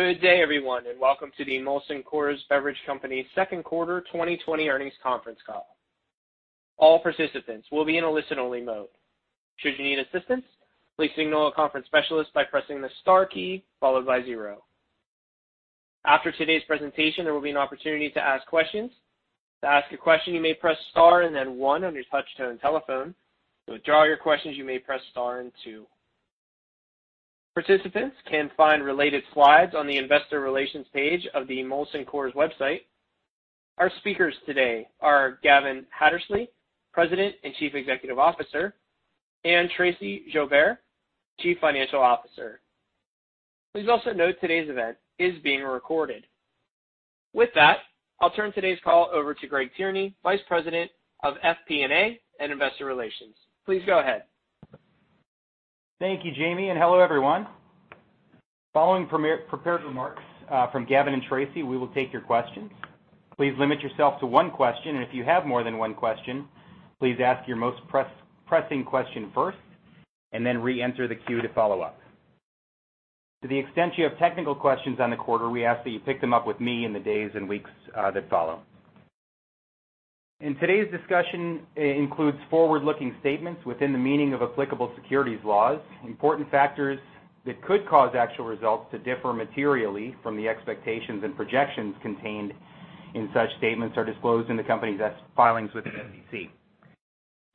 Good day, everyone, and welcome to the Molson Coors Beverage Company Second Quarter 2020 Earnings Conference Call. All participants will be in a listen-only mode. Should you need assistance, please signal a conference specialist by pressing the star key followed by zero. After today's presentation, there will be an opportunity to ask questions. To ask a question, you may press star and then one on your touch-tone telephone. To withdraw your questions, you may press star and two. Participants can find related slides on the investor relations page of the Molson Coors website. Our speakers today are Gavin Hattersley, President and Chief Executive Officer, and Tracey Joubert, Chief Financial Officer. Please also note today's event is being recorded. With that, I'll turn today's call over to Greg Tierney, Vice President of FP&A and Investor Relations. Please go ahead. Thank you, Jamie, and hello, everyone. Following prepared remarks from Gavin and Tracey, we will take your questions. Please limit yourself to one question, and if you have more than one question, please ask your most pressing question first, and then re-enter the queue to follow up. To the extent you have technical questions on the quarter, we ask that you pick them up with me in the days and weeks that follow. Today's discussion includes forward-looking statements within the meaning of applicable securities laws. Important factors that could cause actual results to differ materially from the expectations and projections contained in such statements are disclosed in the company's filings with the SEC.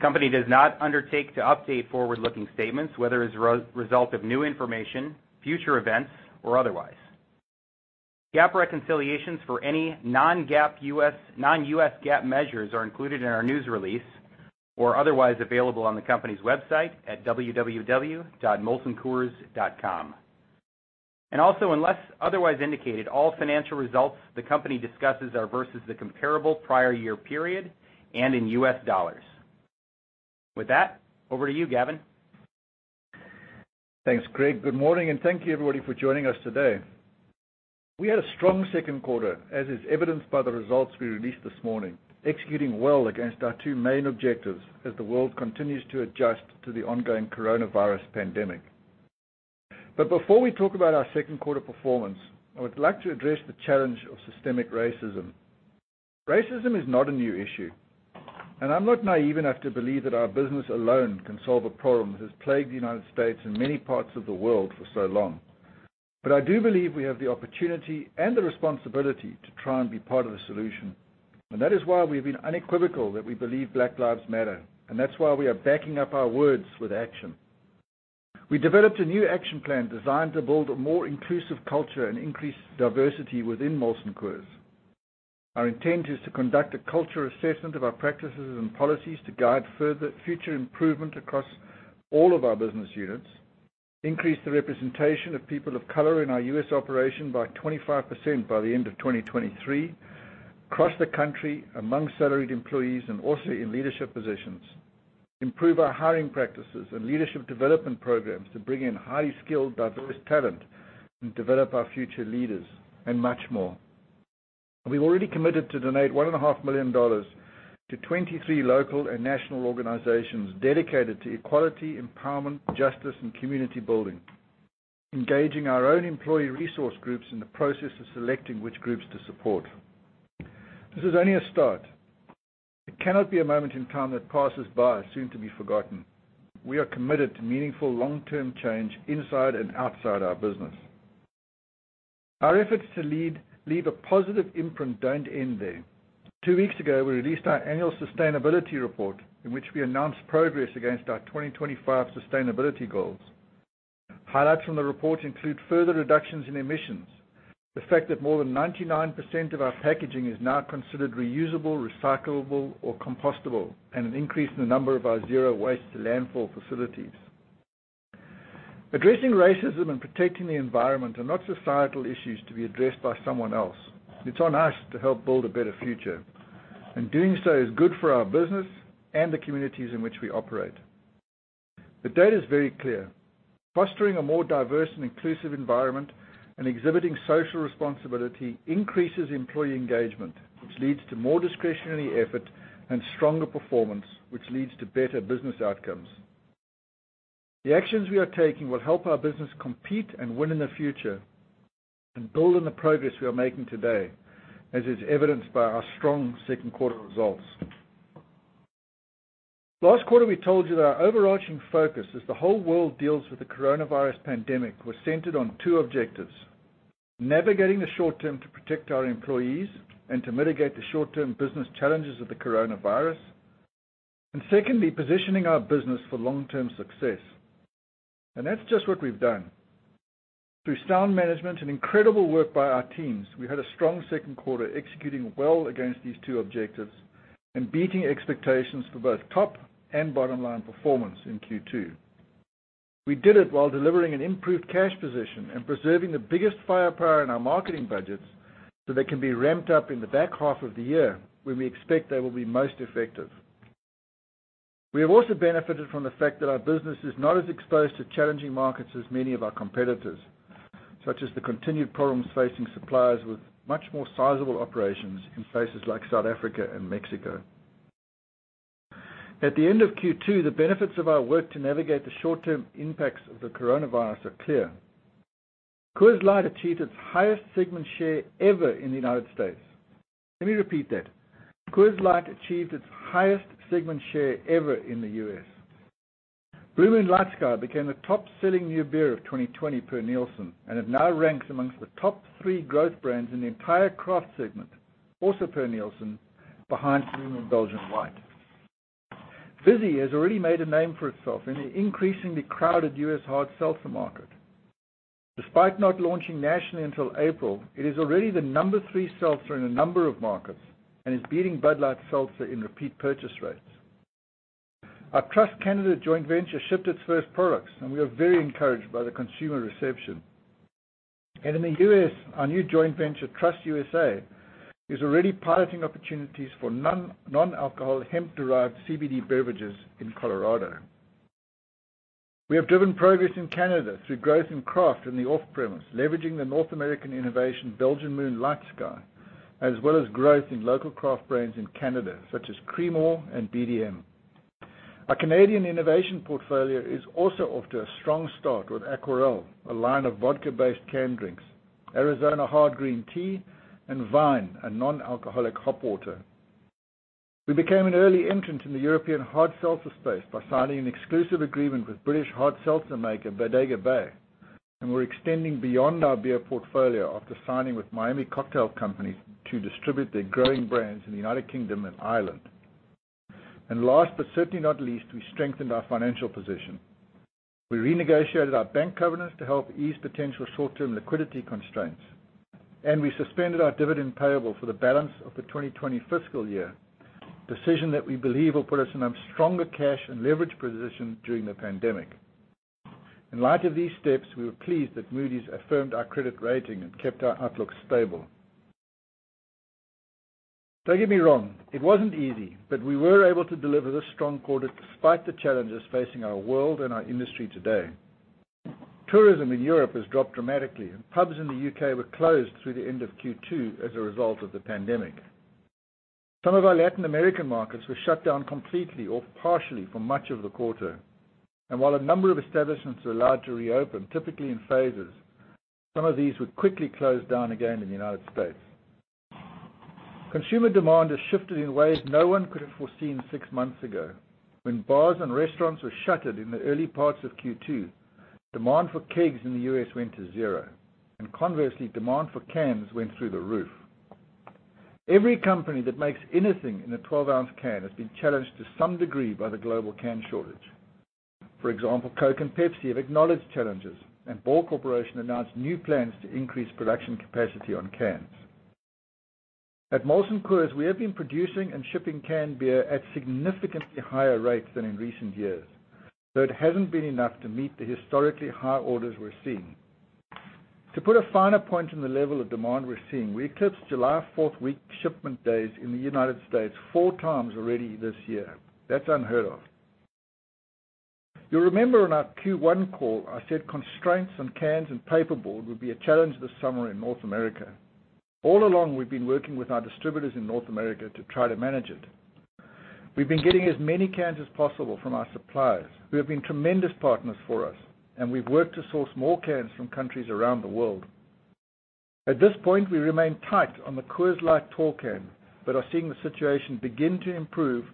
Company does not undertake to update forward-looking statements, whether as a result of new information, future events, or otherwise. GAAP reconciliations for any non-U.S. GAAP measures are included in our news release or otherwise available on the company's website at www.molsoncoors.com. Unless otherwise indicated, all financial results the company discusses are versus the comparable prior year period and in U.S. dollars. With that, over to you, Gavin. Thanks, Greg. Good morning, and thank you, everybody, for joining us today. We had a strong second quarter, as is evidenced by the results we released this morning, executing well against our two main objectives as the world continues to adjust to the ongoing coronavirus pandemic. Before we talk about our second quarter performance, I would like to address the challenge of systemic racism. Racism is not a new issue, and I'm not naive enough to believe that our business alone can solve a problem that has plagued the United States and many parts of the world for so long. I do believe we have the opportunity and the responsibility to try and be part of the solution. That is why we've been unequivocal that we believe Black Lives Matter, and that's why we are backing up our words with action. We developed a new action plan designed to build a more inclusive culture and increase diversity within Molson Coors. Our intent is to conduct a culture assessment of our practices and policies to guide future improvement across all of our business units, increase the representation of people of color in our U.S. operation by 25% by the end of 2023, across the country, among salaried employees, and also in leadership positions. Improve our hiring practices and leadership development programs to bring in highly skilled, diverse talent and develop our future leaders and much more. We've already committed to donate $1.5 million to 23 local and national organizations dedicated to equality, empowerment, justice, and community building, engaging our own employee resource groups in the process of selecting which groups to support. This is only a start. It cannot be a moment in time that passes by soon to be forgotten. We are committed to meaningful, long-term change inside and outside our business. Our efforts to leave a positive imprint don't end there. Two weeks ago, we released our annual sustainability report, in which we announced progress against our 2025 sustainability goals. Highlights from the report include further reductions in emissions, the fact that more than 99% of our packaging is now considered reusable, recyclable, or compostable, and an increase in the number of our zero-waste landfill facilities. Addressing racism and protecting the environment are not societal issues to be addressed by someone else. It's on us to help build a better future, and doing so is good for our business and the communities in which we operate. The data is very clear. Fostering a more diverse and inclusive environment and exhibiting social responsibility increases employee engagement, which leads to more discretionary effort and stronger performance, which leads to better business outcomes. The actions we are taking will help our business compete and win in the future and build on the progress we are making today, as is evidenced by our strong second quarter results. Last quarter, we told you that our overarching focus as the whole world deals with the coronavirus pandemic was centered on two objectives: navigating the short term to protect our employees and to mitigate the short-term business challenges of the coronavirus. Secondly, positioning our business for long-term success. That's just what we've done. Through sound management and incredible work by our teams, we had a strong second quarter executing well against these two objectives and beating expectations for both top and bottom-line performance in Q2. We did it while delivering an improved cash position and preserving the biggest firepower in our marketing budgets so they can be ramped up in the back half of the year, when we expect they will be most effective. We have also benefited from the fact that our business is not as exposed to challenging markets as many of our competitors, such as the continued problems facing suppliers with much more sizable operations in places like South Africa and Mexico. At the end of Q2, the benefits of our work to navigate the short-term impacts of the coronavirus are clear. Coors Light achieved its highest segment share ever in the United States. Let me repeat that. Coors Light achieved its highest segment share ever in the U.S. Blue Moon LightSky became the top-selling new beer of 2020 per Nielsen. It now ranks amongst the top three growth brands in the entire craft segment, also per Nielsen, behind Blue Moon Belgian White. Vizzy has already made a name for itself in the increasingly crowded U.S. hard seltzer market. Despite not launching nationally until April, it is already the number three seltzer in a number of markets and is beating Bud Light Seltzer in repeat purchase rates. Our Truss Canada joint venture shipped its first products. We are very encouraged by the consumer reception. In the U.S., our new joint venture, Truss USA, is already piloting opportunities for non-alcohol hemp-derived CBD beverages in Colorado. We have driven progress in Canada through growth in craft in the off-premise, leveraging the North American innovation Belgian Moon LightSky, as well as growth in local craft brands in Canada, such as Creemore and BDM. Our Canadian innovation portfolio is also off to a strong start with Aquarelle, a line of vodka-based canned drinks, AriZona Hard Green Tea, and Vyne, a non-alcoholic hop water. We became an early entrant in the European hard seltzer space by signing an exclusive agreement with British hard seltzer maker Bodega Bay. We're extending beyond our beer portfolio after signing with Miami Cocktail Company to distribute their growing brands in the United Kingdom and Ireland. Last but certainly not least, we strengthened our financial position. We renegotiated our bank covenants to help ease potential short-term liquidity constraints. We suspended our dividend payable for the balance of the 2020 fiscal year, a decision that we believe will put us in a stronger cash and leverage position during the pandemic. In light of these steps, we were pleased that Moody's affirmed our credit rating and kept our outlook stable. Don't get me wrong, it wasn't easy. We were able to deliver this strong quarter despite the challenges facing our world and our industry today. Tourism in Europe has dropped dramatically. Pubs in the U.K. were closed through the end of Q2 as a result of the pandemic. Some of our Latin American markets were shut down completely or partially for much of the quarter. While a number of establishments were allowed to reopen, typically in phases, some of these would quickly close down again in the United States. Consumer demand has shifted in ways no one could have foreseen six months ago. When bars and restaurants were shuttered in the early parts of Q2, demand for kegs in the U.S. went to zero, and conversely, demand for cans went through the roof. Every company that makes anything in a 12 oz can has been challenged to some degree by the global can shortage. For example, Coke and Pepsi have acknowledged challenges, and Ball Corporation announced new plans to increase production capacity on cans. At Molson Coors, we have been producing and shipping canned beer at significantly higher rates than in recent years. It hasn't been enough to meet the historically high orders we're seeing. To put a finer point on the level of demand we're seeing, we eclipsed July 4th peak shipment days in the United States 4x already this year. That's unheard of. You'll remember on our Q1 call, I said constraints on cans and paper board would be a challenge this summer in North America. All along, we've been working with our distributors in North America to try to manage it. We've been getting as many cans as possible from our suppliers, who have been tremendous partners for us, and we've worked to source more cans from countries around the world. At this point, we remain tight on the Coors Light tall can but are seeing the situation begin to improve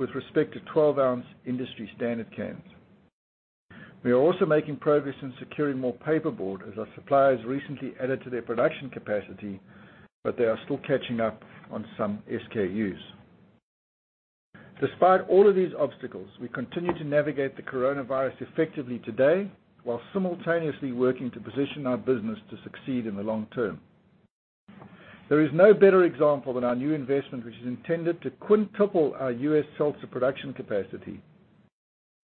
with respect to 12 oz industry standard cans. We are also making progress in securing more paperboard as our suppliers recently added to their production capacity, but they are still catching up on some SKUs. Despite all of these obstacles, we continue to navigate the coronavirus effectively today while simultaneously working to position our business to succeed in the long term. There is no better example than our new investment, which is intended to quintuple our U.S. seltzer production capacity.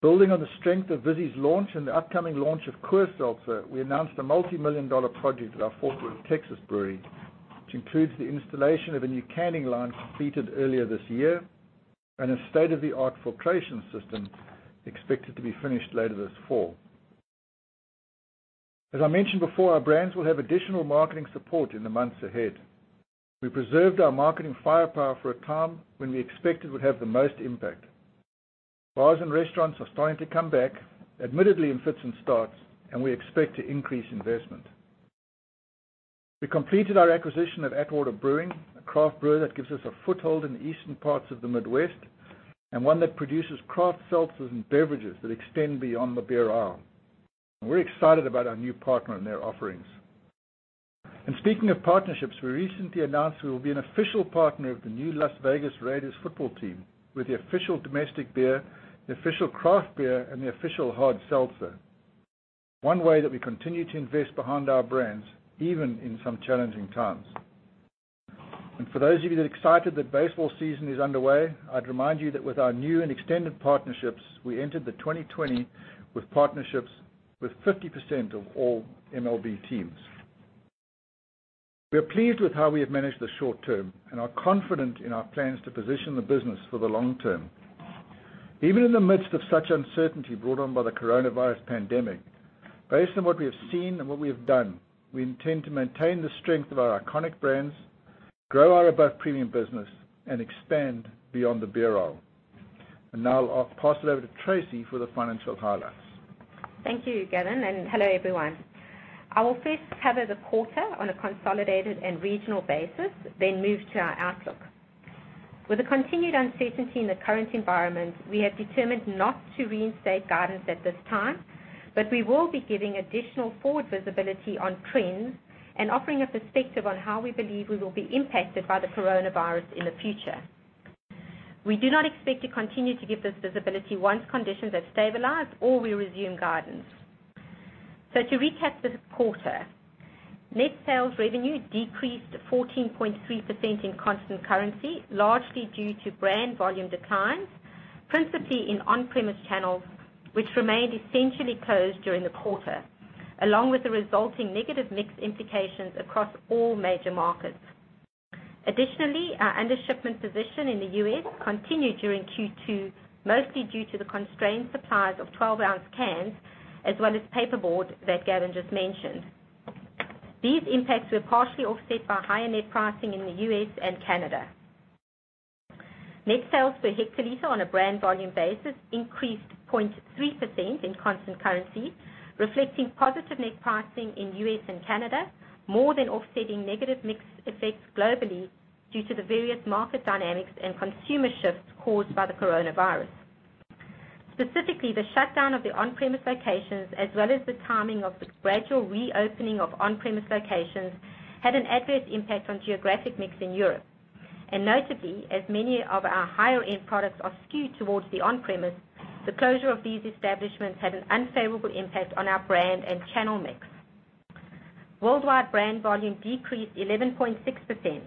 Building on the strength of Vizzy's launch and the upcoming launch of Coors Seltzer, we announced a multimillion-dollar project at our Fort Worth, Texas brewery, which includes the installation of a new canning line completed earlier this year and a state-of-the-art filtration system expected to be finished later this fall. As I mentioned before, our brands will have additional marketing support in the months ahead. We preserved our marketing firepower for a time when we expected would have the most impact. Bars and restaurants are starting to come back, admittedly in fits and starts. We expect to increase investment. We completed our acquisition of Atwater Brewery, a craft brewer that gives us a foothold in the eastern parts of the Midwest and one that produces craft seltzers and beverages that extend beyond the beer aisle. We're excited about our new partner and their offerings. Speaking of partnerships, we recently announced we will be an official partner of the new Las Vegas Raiders football team with the official domestic beer, the official craft beer, and the official hard seltzer. One way that we continue to invest behind our brands, even in some challenging times. For those of you that are excited that baseball season is underway, I'd remind you that with our new and extended partnerships, we entered the 2020 with partnerships with 50% of all MLB teams. We are pleased with how we have managed the short term and are confident in our plans to position the business for the long term. Even in the midst of such uncertainty brought on by the coronavirus pandemic, based on what we have seen and what we have done, we intend to maintain the strength of our iconic brands. Grow our above premium business and expand beyond the brew. Now I'll pass it over to Tracey for the financial highlights. Thank you, Gavin, and hello, everyone. I will first cover the quarter on a consolidated and regional basis, then move to our outlook. With the continued uncertainty in the current environment, we have determined not to reinstate guidance at this time. We will be giving additional forward visibility on trends and offering a perspective on how we believe we will be impacted by the coronavirus in the future. We do not expect to continue to give this visibility once conditions have stabilized or we resume guidance. To recap this quarter, net sales revenue decreased 14.3% in constant currency, largely due to brand volume declines, principally in on-premise channels, which remained essentially closed during the quarter, along with the resulting negative mix implications across all major markets. Additionally, our under-shipment position in the U.S. continued during Q2, mostly due to the constrained supplies of 12 oz cans, as well as paperboard that Gavin just mentioned. These impacts were partially offset by higher net pricing in the U.S. and Canada. Net sales per hectoliter on a brand volume basis increased 0.3% in constant currency, reflecting positive net pricing in U.S. and Canada, more than offsetting negative mix effects globally due to the various market dynamics and consumer shifts caused by the coronavirus. Specifically, the shutdown of the on-premise locations as well as the timing of the gradual reopening of on-premise locations had an adverse impact on geographic mix in Europe. Notably, as many of our higher end products are skewed towards the on-premise, the closure of these establishments had an unfavorable impact on our brand and channel mix. Worldwide brand volume decreased 11.6%,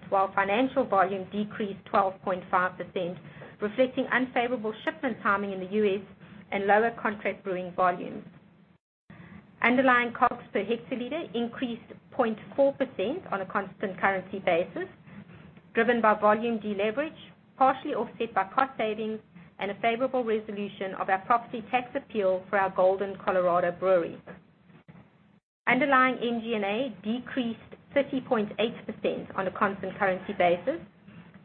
while financial volume decreased 12.5%, reflecting unfavorable shipment timing in the U.S. and lower contract brewing volumes. Underlying COGS per hectoliter increased 0.4% on a constant currency basis, driven by volume deleverage, partially offset by cost savings and a favorable resolution of our property tax appeal for our Golden, Colorado brewery. Underlying MG&A decreased 30.8% on a constant currency basis,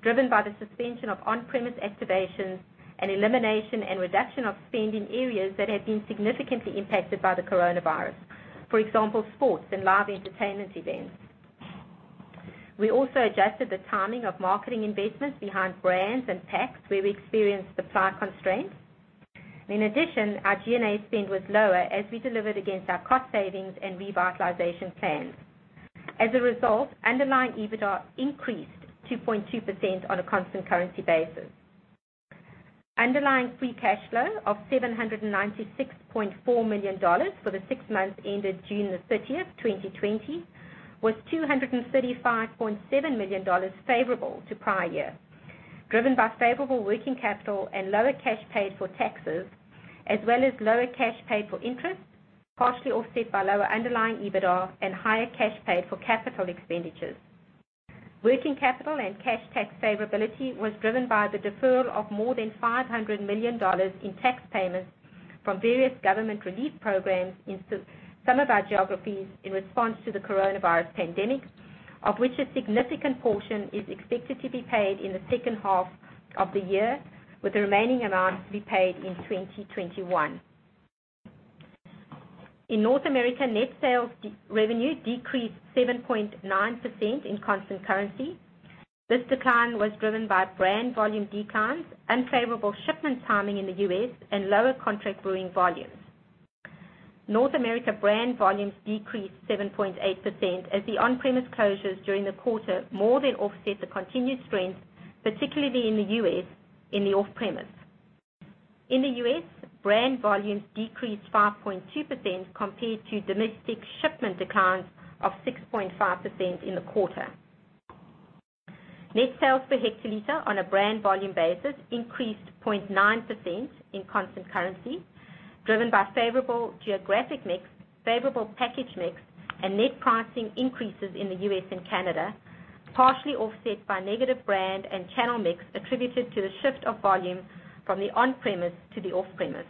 driven by the suspension of on-premise activations and elimination and reduction of spend in areas that have been significantly impacted by the coronavirus. For example, sports and live entertainment events. We also adjusted the timing of marketing investments behind brands and packs where we experienced supply constraints. Our G&A spend was lower as we delivered against our cost savings and revitalization plans. Underlying EBITDA increased 2.2% on a constant currency basis. Underlying free cash flow of $796.4 million for the six months ended June 30th, 2020 was $235.7 million favorable to prior year, driven by favorable working capital and lower cash paid for taxes, as well as lower cash paid for interest, partially offset by lower underlying EBITDA and higher cash paid for capital expenditures. Working capital and cash tax favorability was driven by the deferral of more than $500 million in tax payments from various government relief programs in some of our geographies in response to the coronavirus pandemic, of which a significant portion is expected to be paid in the second half of the year, with the remaining amount to be paid in 2021. In North America, net sales revenue decreased 7.9% in constant currency. This decline was driven by brand volume declines, unfavorable shipment timing in the U.S., and lower contract brewing volumes. North America brand volumes decreased 7.8% as the on-premise closures during the quarter more than offset the continued strength, particularly in the U.S., in the off-premise. In the U.S., brand volumes decreased 5.2% compared to domestic shipment declines of 6.5% in the quarter. Net sales per hectoliter on a brand volume basis increased 0.9% in constant currency, driven by favorable geographic mix, favorable package mix, and net pricing increases in the U.S. and Canada, partially offset by negative brand and channel mix attributed to the shift of volume from the on-premise to the off-premise.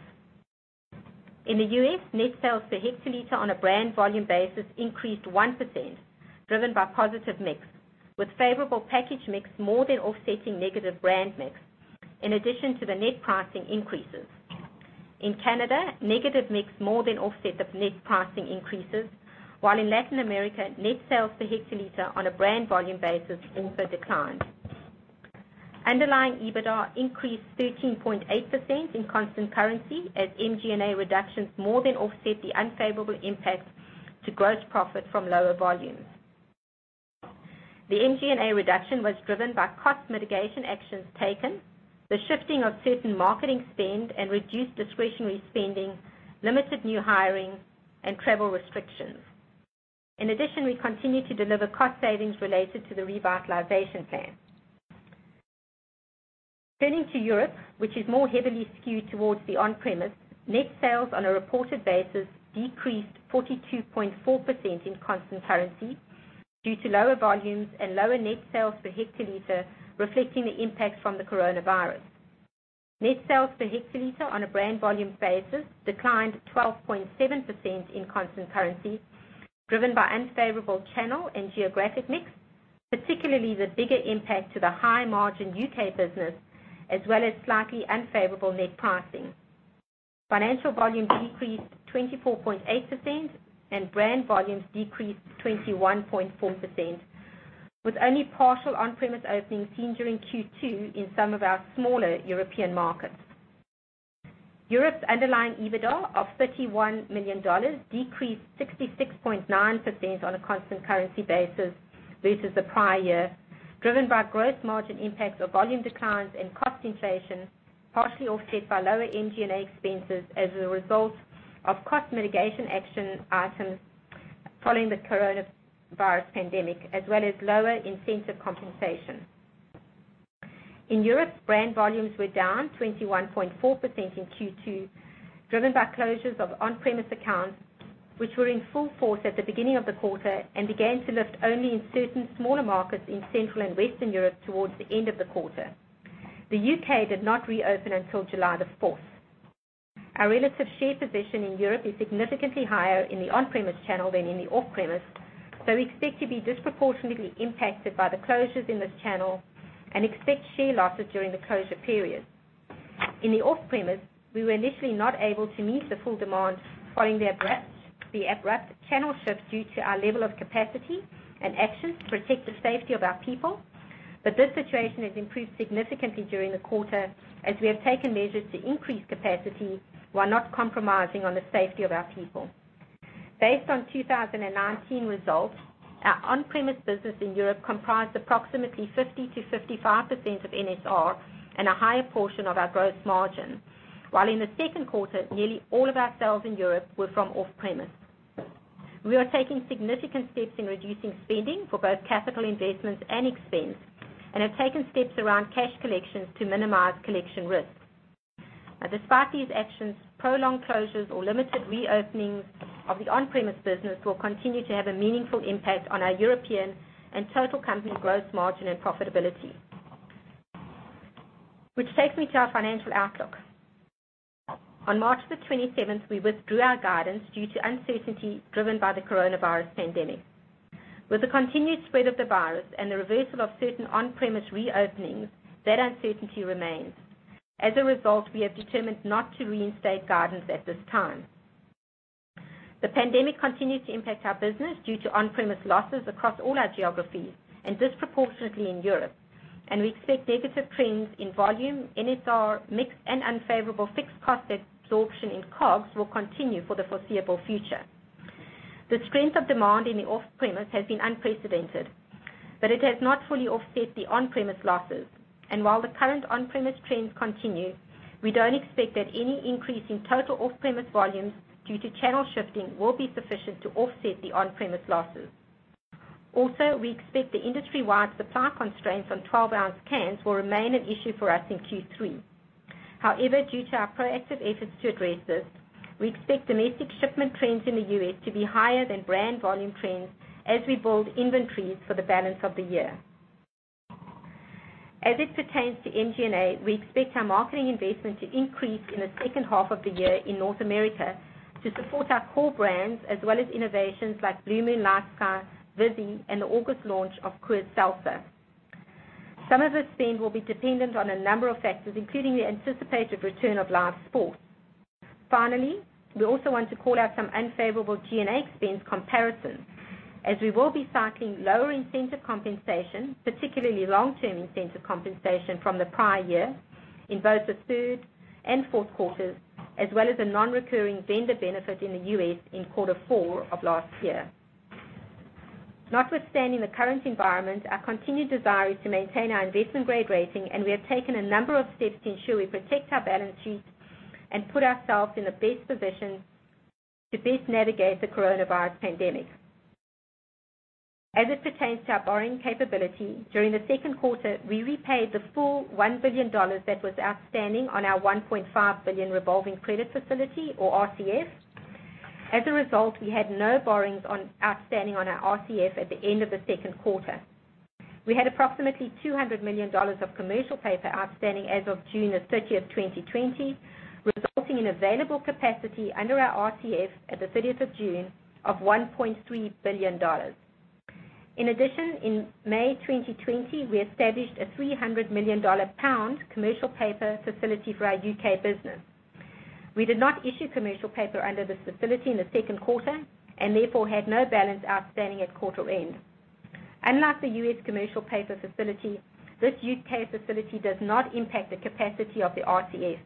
In the U.S., net sales per hectoliter on a brand volume basis increased 1%, driven by positive mix, with favorable package mix more than offsetting negative brand mix, in addition to the net pricing increases. In Canada, negative mix more than offset the net pricing increases, while in Latin America, net sales per hectoliter on a brand volume basis also declined. Underlying EBITDA increased 13.8% in constant currency as MG&A reductions more than offset the unfavorable impact to gross profit from lower volumes. The MG&A reduction was driven by cost mitigation actions taken, the shifting of certain marketing spend and reduced discretionary spending, limited new hiring, and travel restrictions. In addition, we continued to deliver cost savings related to the revitalization plan. Turning to Europe, which is more heavily skewed towards the on-premise, net sales on a reported basis decreased 42.4% in constant currency due to lower volumes and lower net sales per hectoliter, reflecting the impact from the coronavirus. Net sales per hectoliter on a brand volume basis declined 12.7% in constant currency, driven by unfavorable channel and geographic mix, particularly the bigger impact to the high margin U.K. business, as well as slightly unfavorable net pricing. Financial volume decreased 24.8% and brand volumes decreased 21.4%, with only partial on-premise openings seen during Q2 in some of our smaller European markets. Europe's underlying EBITDA of $31 million decreased 66.9% on a constant currency basis versus the prior year, driven by gross margin impacts of volume declines and cost inflation, partially offset by lower MG&A expenses as a result of cost mitigation action items following the coronavirus pandemic, as well as lower incentive compensation. In Europe, brand volumes were down 21.4% in Q2, driven by closures of on-premise accounts, which were in full force at the beginning of the quarter and began to lift only in certain smaller markets in Central and Western Europe towards the end of the quarter. The U.K. did not reopen until July the 4th. Our relative share position in Europe is significantly higher in the on-premise channel than in the off-premise, we expect to be disproportionately impacted by the closures in this channel and expect share losses during the closure period. In the off-premise, we were initially not able to meet the full demand following the abrupt channel shifts due to our level of capacity and actions to protect the safety of our people. This situation has improved significantly during the quarter, as we have taken measures to increase capacity while not compromising on the safety of our people. Based on 2019 results, our on-premise business in Europe comprised approximately 50%-55% of NSR and a higher portion of our gross margin. While in the second quarter, nearly all of our sales in Europe were from off-premise. We are taking significant steps in reducing spending for both capital investments and expense, and have taken steps around cash collections to minimize collection risks. Despite these actions, prolonged closures or limited reopenings of the on-premise business will continue to have a meaningful impact on our European and total company gross margin and profitability. Takes me to our financial outlook. On March the 27th, we withdrew our guidance due to uncertainty driven by the coronavirus pandemic. With the continued spread of the virus and the reversal of certain on-premise reopenings, that uncertainty remains. As a result, we have determined not to reinstate guidance at this time. The pandemic continues to impact our business due to on-premise losses across all our geographies, and disproportionately in Europe. We expect negative trends in volume, NSR mix, and unfavorable fixed cost absorption in COGS will continue for the foreseeable future. The strength of demand in the off-premise has been unprecedented, but it has not fully offset the on-premise losses. While the current on-premise trends continue, we don't expect that any increase in total off-premise volumes due to channel shifting will be sufficient to offset the on-premise losses. Also, we expect the industry-wide supply constraints on 12 oz cans will remain an issue for us in Q3. However, due to our proactive efforts to address this, we expect domestic shipment trends in the U.S. to be higher than brand volume trends as we build inventories for the balance of the year. As it pertains to MG&A, we expect our marketing investment to increase in the second half of the year in North America to support our core brands, as well as innovations like Blue Moon LightSky, Vizzy, and the August launch of Coors Seltzer. Some of the spend will be dependent on a number of factors, including the anticipated return of live sports. We also want to call out some unfavorable G&A expense comparisons, as we will be cycling lower incentive compensation, particularly long-term incentive compensation, from the prior year in both the third and fourth quarters, as well as a non-recurring vendor benefit in the U.S. in quarter four of last year. Notwithstanding the current environment, our continued desire is to maintain our investment-grade rating, and we have taken a number of steps to ensure we protect our balance sheet and put ourselves in the best position to best navigate the coronavirus pandemic. As it pertains to our borrowing capability, during the second quarter, we repaid the full $1 billion that was outstanding on our $1.5 billion revolving credit facility or RCF. As a result, we had no borrowings outstanding on our RCF at the end of the second quarter. We had approximately $200 million of commercial paper outstanding as of June the 30th 2020, resulting in available capacity under our RCF at the 30th of June of $1.3 billion. In addition, in May 2020, we established a 300 million pound commercial paper facility for our U.K. business. We did not issue commercial paper under this facility in the second quarter, and therefore had no balance outstanding at quarter end. Unlike the U.S. commercial paper facility, this U.K. facility does not impact the capacity of the RCF,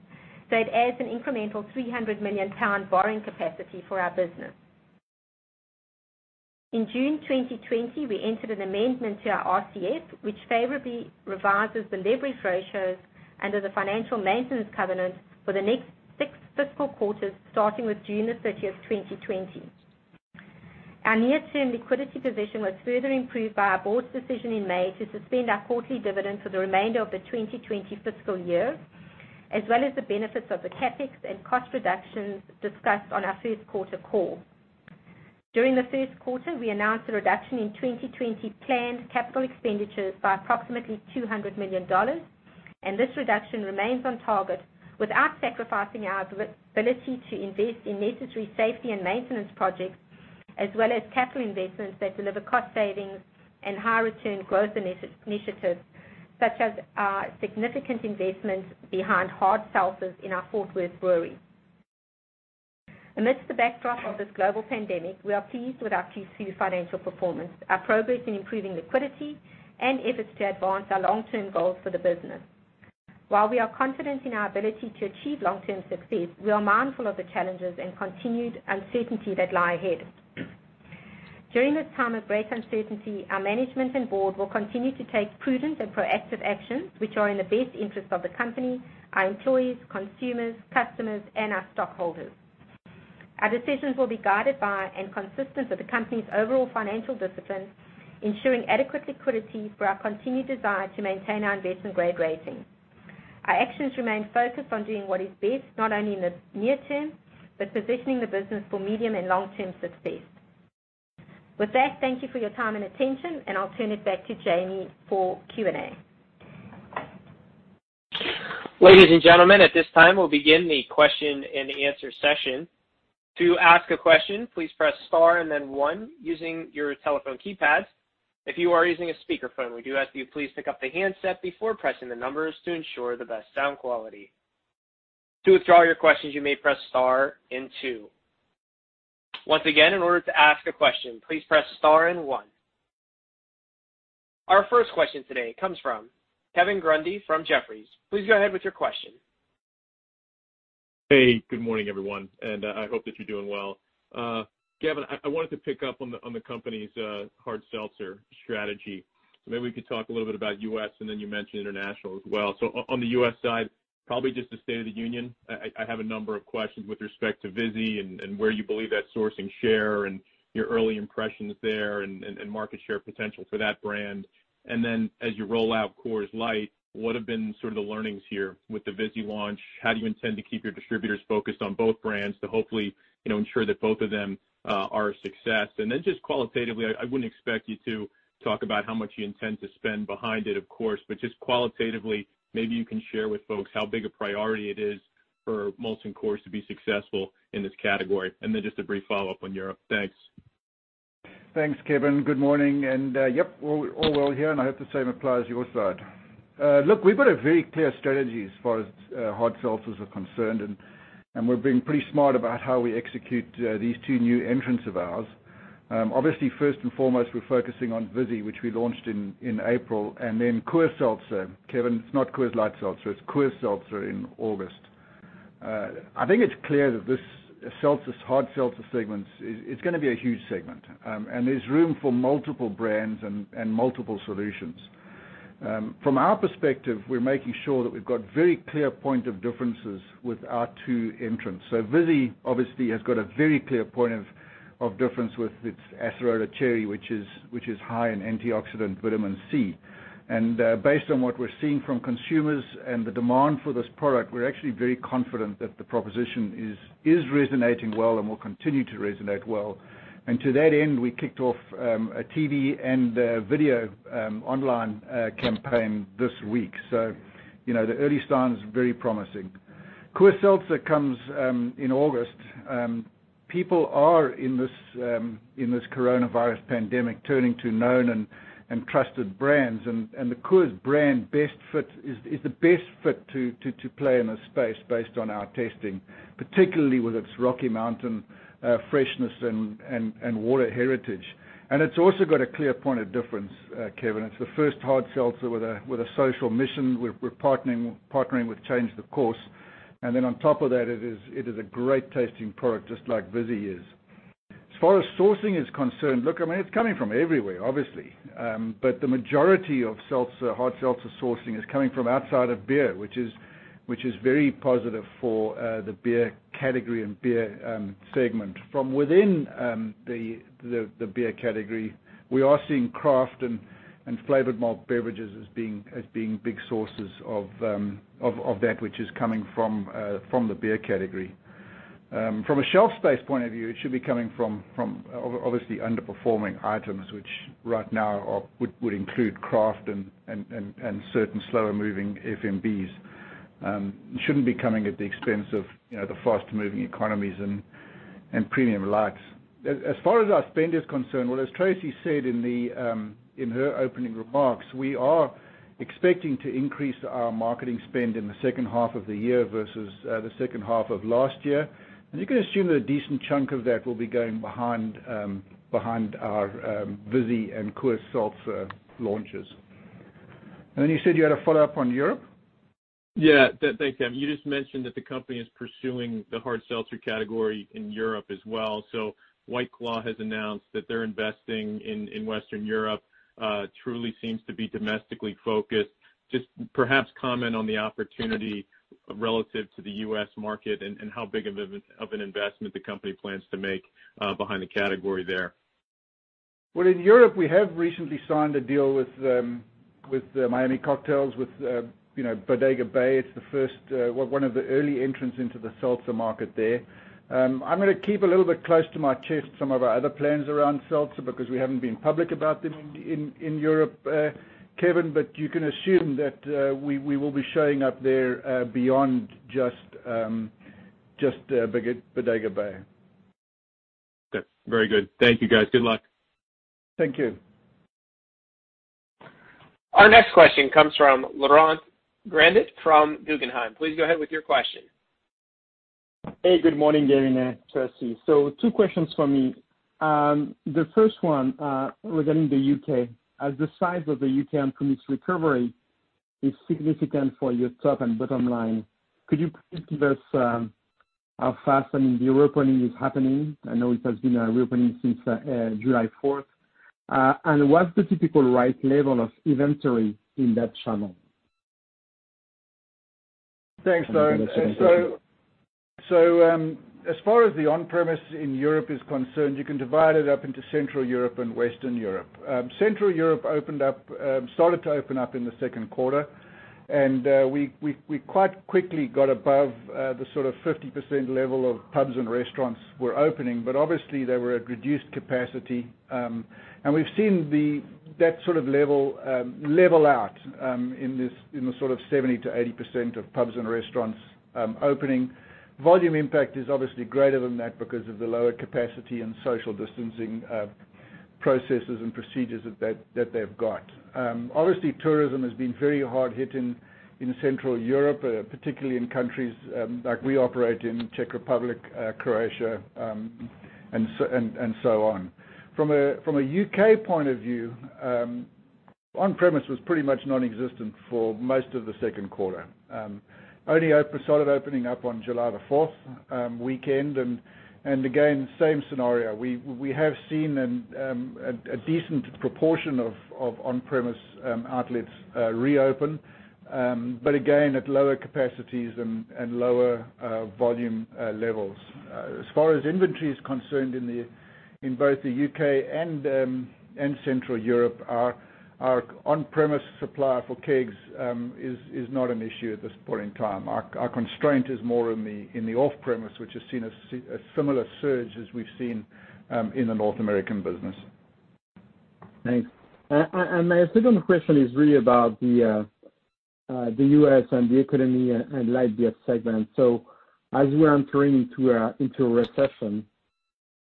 so it adds an incremental 300 million pound borrowing capacity for our business. In June 2020, we entered an amendment to our RCF, which favorably revises the leverage ratios under the financial maintenance covenant for the next six fiscal quarters, starting with June the 30th 2020. Our near-term liquidity position was further improved by our board's decision in May to suspend our quarterly dividend for the remainder of the 2020 fiscal year, as well as the benefits of the CapEx and cost reductions discussed on our first quarter call. During the first quarter, we announced a reduction in 2020 planned capital expenditures by approximately $200 million. This reduction remains on target without sacrificing our ability to invest in necessary safety and maintenance projects, as well as capital investments that deliver cost savings and high return growth initiatives, such as our significant investments behind hard seltzers in our Fort Worth brewery. Amidst the backdrop of this global pandemic, we are pleased with our Q2 financial performance, our progress in improving liquidity, and efforts to advance our long-term goals for the business. While we are confident in our ability to achieve long-term success, we are mindful of the challenges and continued uncertainty that lie ahead. During this time of great uncertainty, our management and board will continue to take prudent and proactive actions which are in the best interest of the company, our employees, consumers, customers, and our stockholders. Our decisions will be guided by and consistent with the company's overall financial discipline, ensuring adequate liquidity for our continued desire to maintain our investment-grade rating. Our actions remain focused on doing what is best, not only in the near term, but positioning the business for medium and long-term success. With that, thank you for your time and attention, and I'll turn it back to Jamie for Q&A. Ladies and gentlemen, at this time, we'll begin the question-and-answer session. To ask a question, please press star and then one using your telephone keypad. If you are using a speakerphone, we do ask you please pick up the handset before pressing the numbers to ensure the best sound quality. To withdraw your questions, you may press star and two. Once again, in order to ask a question, please press star and one. Our first question today comes from Kevin Grundy from Jefferies. Please go ahead with your question. Hey, good morning, everyone, and I hope that you're doing well. Gavin, I wanted to pick up on the company's hard seltzer strategy. Maybe we could talk a little bit about U.S., and then you mentioned international as well. On the U.S. side, probably just a state of the union. I have a number of questions with respect to Vizzy and where you believe that sourcing share and your early impressions there and market share potential for that brand. As you roll out Coors Light, what have been sort of the learnings here with the Vizzy launch? How do you intend to keep your distributors focused on both brands to hopefully ensure that both of them are a success? Just qualitatively, I wouldn't expect you to talk about how much you intend to spend behind it, of course, but just qualitatively, maybe you can share with folks how big a priority it is for Molson Coors to be successful in this category. Just a brief follow-up on Europe. Thanks. Thanks, Kevin. Good morning. Yep, all well here, and I hope the same applies to your side. Look, we've got a very clear strategy as far as hard seltzers are concerned, and we're being pretty smart about how we execute these two new entrants of ours. Obviously, first and foremost, we're focusing on Vizzy, which we launched in April, and then Coors Seltzer. Kevin, it's not Coors Light Seltzer, it's Coors Seltzer in August. I think it's clear that this hard seltzer segment is going to be a huge segment, and there's room for multiple brands and multiple solutions. From our perspective, we're making sure that we've got very clear point of differences with our two entrants. Vizzy obviously has got a very clear point of difference with its acerola cherry, which is high in antioxidant vitamin C. Based on what we're seeing from consumers and the demand for this product, we're actually very confident that the proposition is resonating well and will continue to resonate well. To that end, we kicked off a TV and video online campaign this week. The early signs are very promising. Coors Seltzer comes in August. People are, in this coronavirus pandemic, turning to known and trusted brands, and the Coors brand is the best fit to play in this space based on our testing, particularly with its Rocky Mountain freshness and water heritage. It's also got a clear point of difference, Kevin. It's the first hard seltzer with a social mission. We're partnering with Change the Course. On top of that, it is a great-tasting product, just like Vizzy is. As far as sourcing is concerned, look, it's coming from everywhere, obviously. The majority of hard seltzer sourcing is coming from outside of beer, which is very positive for the beer category and beer segment. From within the beer category, we are seeing craft and flavored malt beverages as being big sources of that which is coming from the beer category. From a shelf space point of view, it should be coming from, obviously, underperforming items, which right now would include craft and certain slower-moving FMBs. It shouldn't be coming at the expense of the fast-moving economies and premium lights. As far as our spend is concerned, well, as Tracey said in her opening remarks, we are expecting to increase our marketing spend in the second half of the year versus the second half of last year. You can assume that a decent chunk of that will be going behind our Vizzy and Coors Seltzer launches. You said you had a follow-up on Europe? Yeah. Thanks, Gavin. You just mentioned that the company is pursuing the hard seltzer category in Europe as well. White Claw has announced that they're investing in Western Europe. Truly seems to be domestically focused. Just perhaps comment on the opportunity relative to the U.S. market and how big of an investment the company plans to make behind the category there. In Europe, we have recently signed a deal with Miami Cocktail, with Bodega Bay. It's one of the early entrants into the seltzer market there. I'm going to keep a little bit close to my chest some of our other plans around seltzer, because we haven't been public about them in Europe, Kevin, but you can assume that we will be showing up there beyond just Bodega Bay. Okay. Very good. Thank you, guys. Good luck. Thank you. Our next question comes from Laurent Grandet from Guggenheim. Please go ahead with your question. Hey, good morning, Gavin and Tracey. Two questions for me. The first one regarding the U.K. As the size of the U.K. on-premise recovery is significant for your top and bottom line, could you please give us how fast the reopening is happening? I know it has been reopening since July 4th. What's the typical right level of inventory in that channel? Thanks, Laurent. As far as the on-premise in Europe is concerned, you can divide it up into Central Europe and Western Europe. Central Europe started to open up in the second quarter, and we quite quickly got above the sort of 50% level of pubs and restaurants were opening, but obviously they were at reduced capacity. We've seen that level out in the sort of 70%-80% of pubs and restaurants opening. Volume impact is obviously greater than that because of the lower capacity and social distancing processes and procedures that they've got. Obviously, tourism has been very hard hit in Central Europe, particularly in countries like we operate in, Czech Republic, Croatia, and so on. From a U.K. point of view, on-premise was pretty much non-existent for most of the second quarter. It only started opening up on July 4th weekend. Again, same scenario. We have seen a decent proportion of on-premise outlets reopen, again, at lower capacities and lower volume levels. As far as inventory is concerned in both the U.K. and Central Europe, our on-premise supply for kegs is not an issue at this point in time. Our constraint is more in the off-premise, which has seen a similar surge as we've seen in the North American business. Thanks. My second question is really about the U.S. and the economy and light beer segment. As we are entering into a recession,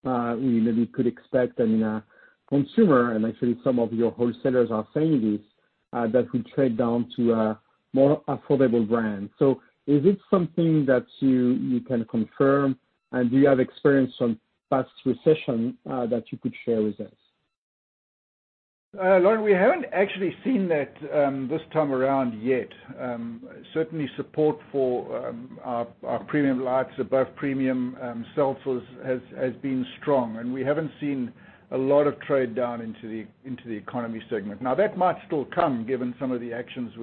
we maybe could expect in a consumer, and actually some of your wholesalers are saying this, that we trade down to a more affordable brand. Is this something that you can confirm, and do you have experience from past recession that you could share with us? Laurent, we haven't actually seen that this time around yet. Certainly support for our premium lights, above premium seltzers has been strong, and we haven't seen a lot of trade down into the economy segment. Now, that might still come given some of the actions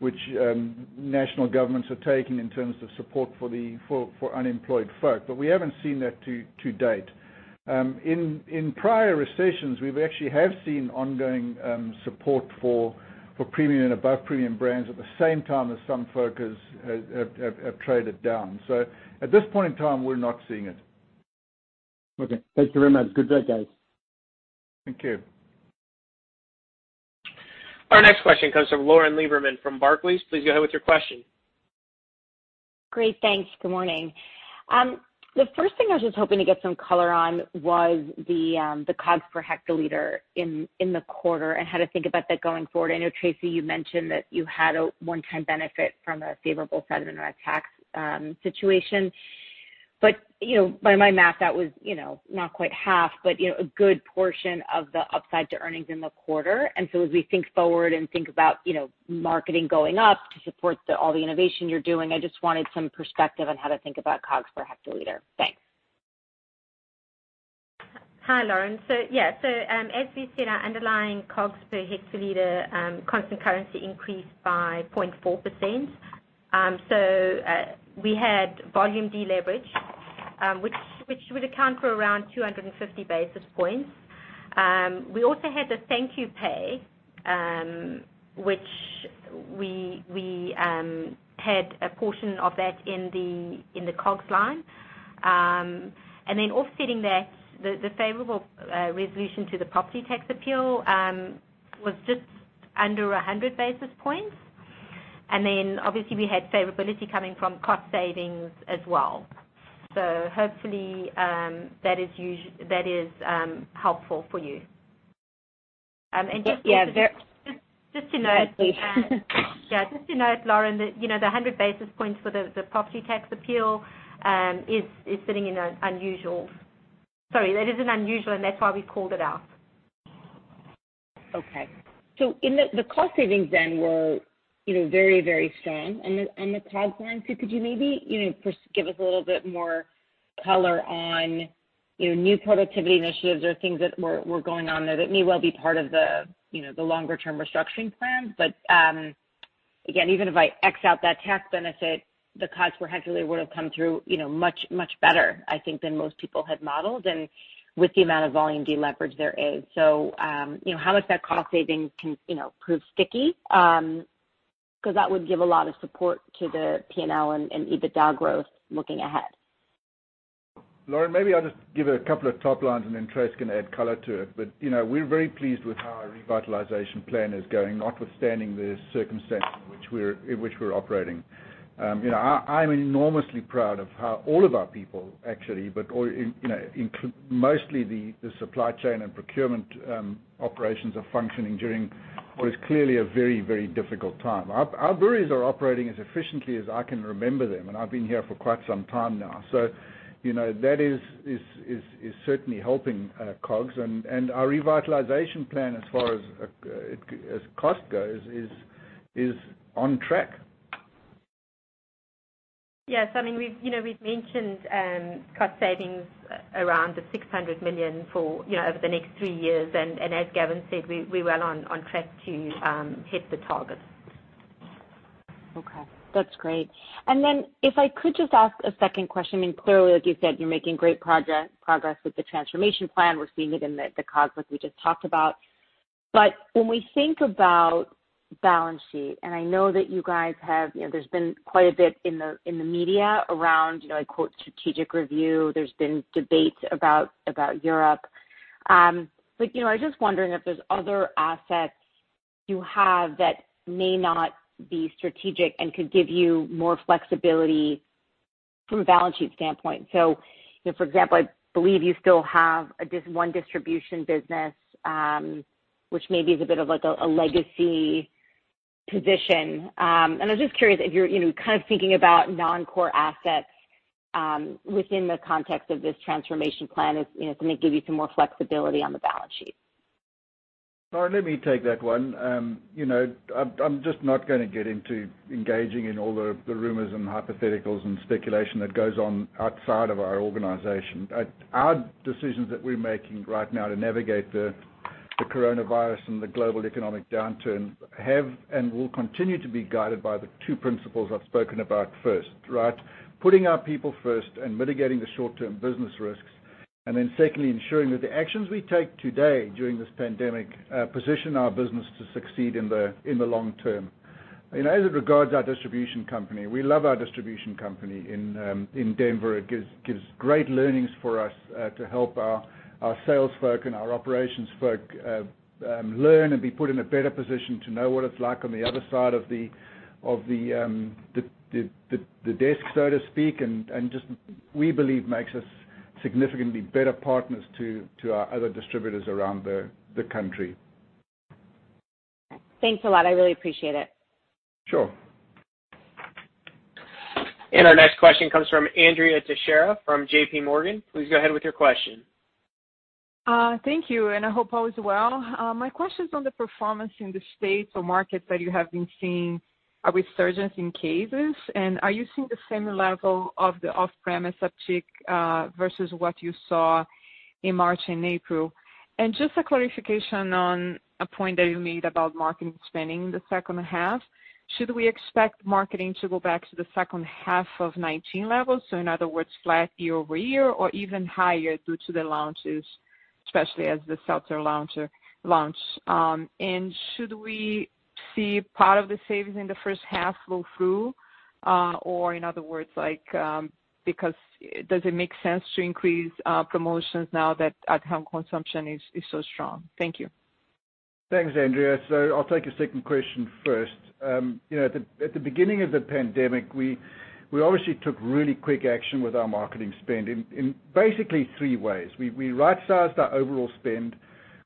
which national governments are taking in terms of support for unemployed folk, but we haven't seen that to date. In prior recessions, we've actually have seen ongoing support for premium and above premium brands at the same time as some folks have traded down. At this point in time, we're not seeing it. Okay. Thank you very much. Good day, guys. Thank you. Our next question comes from Lauren Lieberman from Barclays. Please go ahead with your question. Great. Thanks. Good morning. The first thing I was just hoping to get some color on was the COGS per hectoliter in the quarter and how to think about that going forward. I know, Tracey, you mentioned that you had a one-time benefit from a favorable settlement on a tax situation, but by my math, that was not quite half, but a good portion of the upside to earnings in the quarter. As we think forward and think about marketing going up to support all the innovation you're doing, I just wanted some perspective on how to think about COGS per hectoliter. Thanks. Hi, Lauren. Yeah. As we said, our underlying COGS per hectoliter constant currency increased by 0.4%. We had volume deleverage which would account for around 250 basis points. We also had the thank you pay, which we had a portion of that in the COGS line. Offsetting that, the favorable resolution to the property tax appeal was just under 100 basis points. Obviously we had favorability coming from cost savings as well. Hopefully, that is helpful for you. Yeah. Okay. Yeah. Just to note, Lauren, the 100 basis points for the property tax appeal is an unusual, and that's why we called it out. Okay. The cost savings then were very strong on the COGS line. Could you maybe give us a little bit more color on new productivity initiatives or things that were going on there that may well be part of the longer-term restructuring plan, but again, even if I X out that tax benefit, the costs per hectoliter would have come through much better, I think, than most people had modeled, and with the amount of volume deleverage there is. How much that cost saving can prove sticky? Because that would give a lot of support to the P&L and EBITDA growth looking ahead. Lauren, maybe I'll just give a couple of top lines, and then Tracey can add color to it. We're very pleased with how our revitalization plan is going, notwithstanding the circumstances in which we're operating. I'm enormously proud of how all of our people, actually, but mostly the supply chain and procurement operations are functioning during what is clearly a very difficult time. Our breweries are operating as efficiently as I can remember them, and I've been here for quite some time now. That is certainly helping our COGS. Our revitalization plan, as far as cost goes, is on track. Yes. We've mentioned cost savings around $600 million over the next three years. As Gavin said, we're well on track to hit the target. Okay. That's great. If I could just ask a second question. Clearly, like you said, you're making great progress with the transformation plan. We're seeing it in the COGS like we just talked about. When we think about balance sheet, and I know that you guys have, there's been quite a bit in the media around, I quote, "strategic review." There's been debates about Europe. I was just wondering if there's other assets you have that may not be strategic and could give you more flexibility from a balance sheet standpoint. For example, I believe you still have one distribution business, which maybe is a bit of a legacy position. I'm just curious if you're kind of thinking about non-core assets within the context of this transformation plan, is it going to give you some more flexibility on the balance sheet? Lauren, let me take that one. I'm just not going to get into engaging in all the rumors and hypotheticals and speculation that goes on outside of our organization. Our decisions that we're making right now to navigate the coronavirus and the global economic downturn have and will continue to be guided by the two principles I've spoken about first, right? Putting our people first and mitigating the short-term business risks. Secondly, ensuring that the actions we take today during this pandemic position our business to succeed in the long term. As it regards our distribution company, we love our distribution company in Denver. It gives great learnings for us to help our sales folk and our operations folk learn and be put in a better position to know what it's like on the other side of the desk, so to speak. Just we believe makes us significantly better partners to our other distributors around the country. Thanks a lot. I really appreciate it. Sure. Our next question comes from Andrea Teixeira from J.P. Morgan. Please go ahead with your question. Thank you, and I hope all is well. My question is on the performance in the states or markets that you have been seeing a resurgence in cases. Are you seeing the same level of the off-premise uptick versus what you saw in March and April? Just a clarification on a point that you made about marketing spending in the second half, should we expect marketing to go back to the second half of 2019 levels, so in other words, flat year-over-year, or even higher due to the launches, especially as the seltzers launch? In other words, does it make sense to increase promotions now that at-home consumption is so strong? Thank you. Thanks, Andrea. I'll take your second question first. At the beginning of the pandemic, we obviously took really quick action with our marketing spend in basically three ways. We right-sized our overall spend,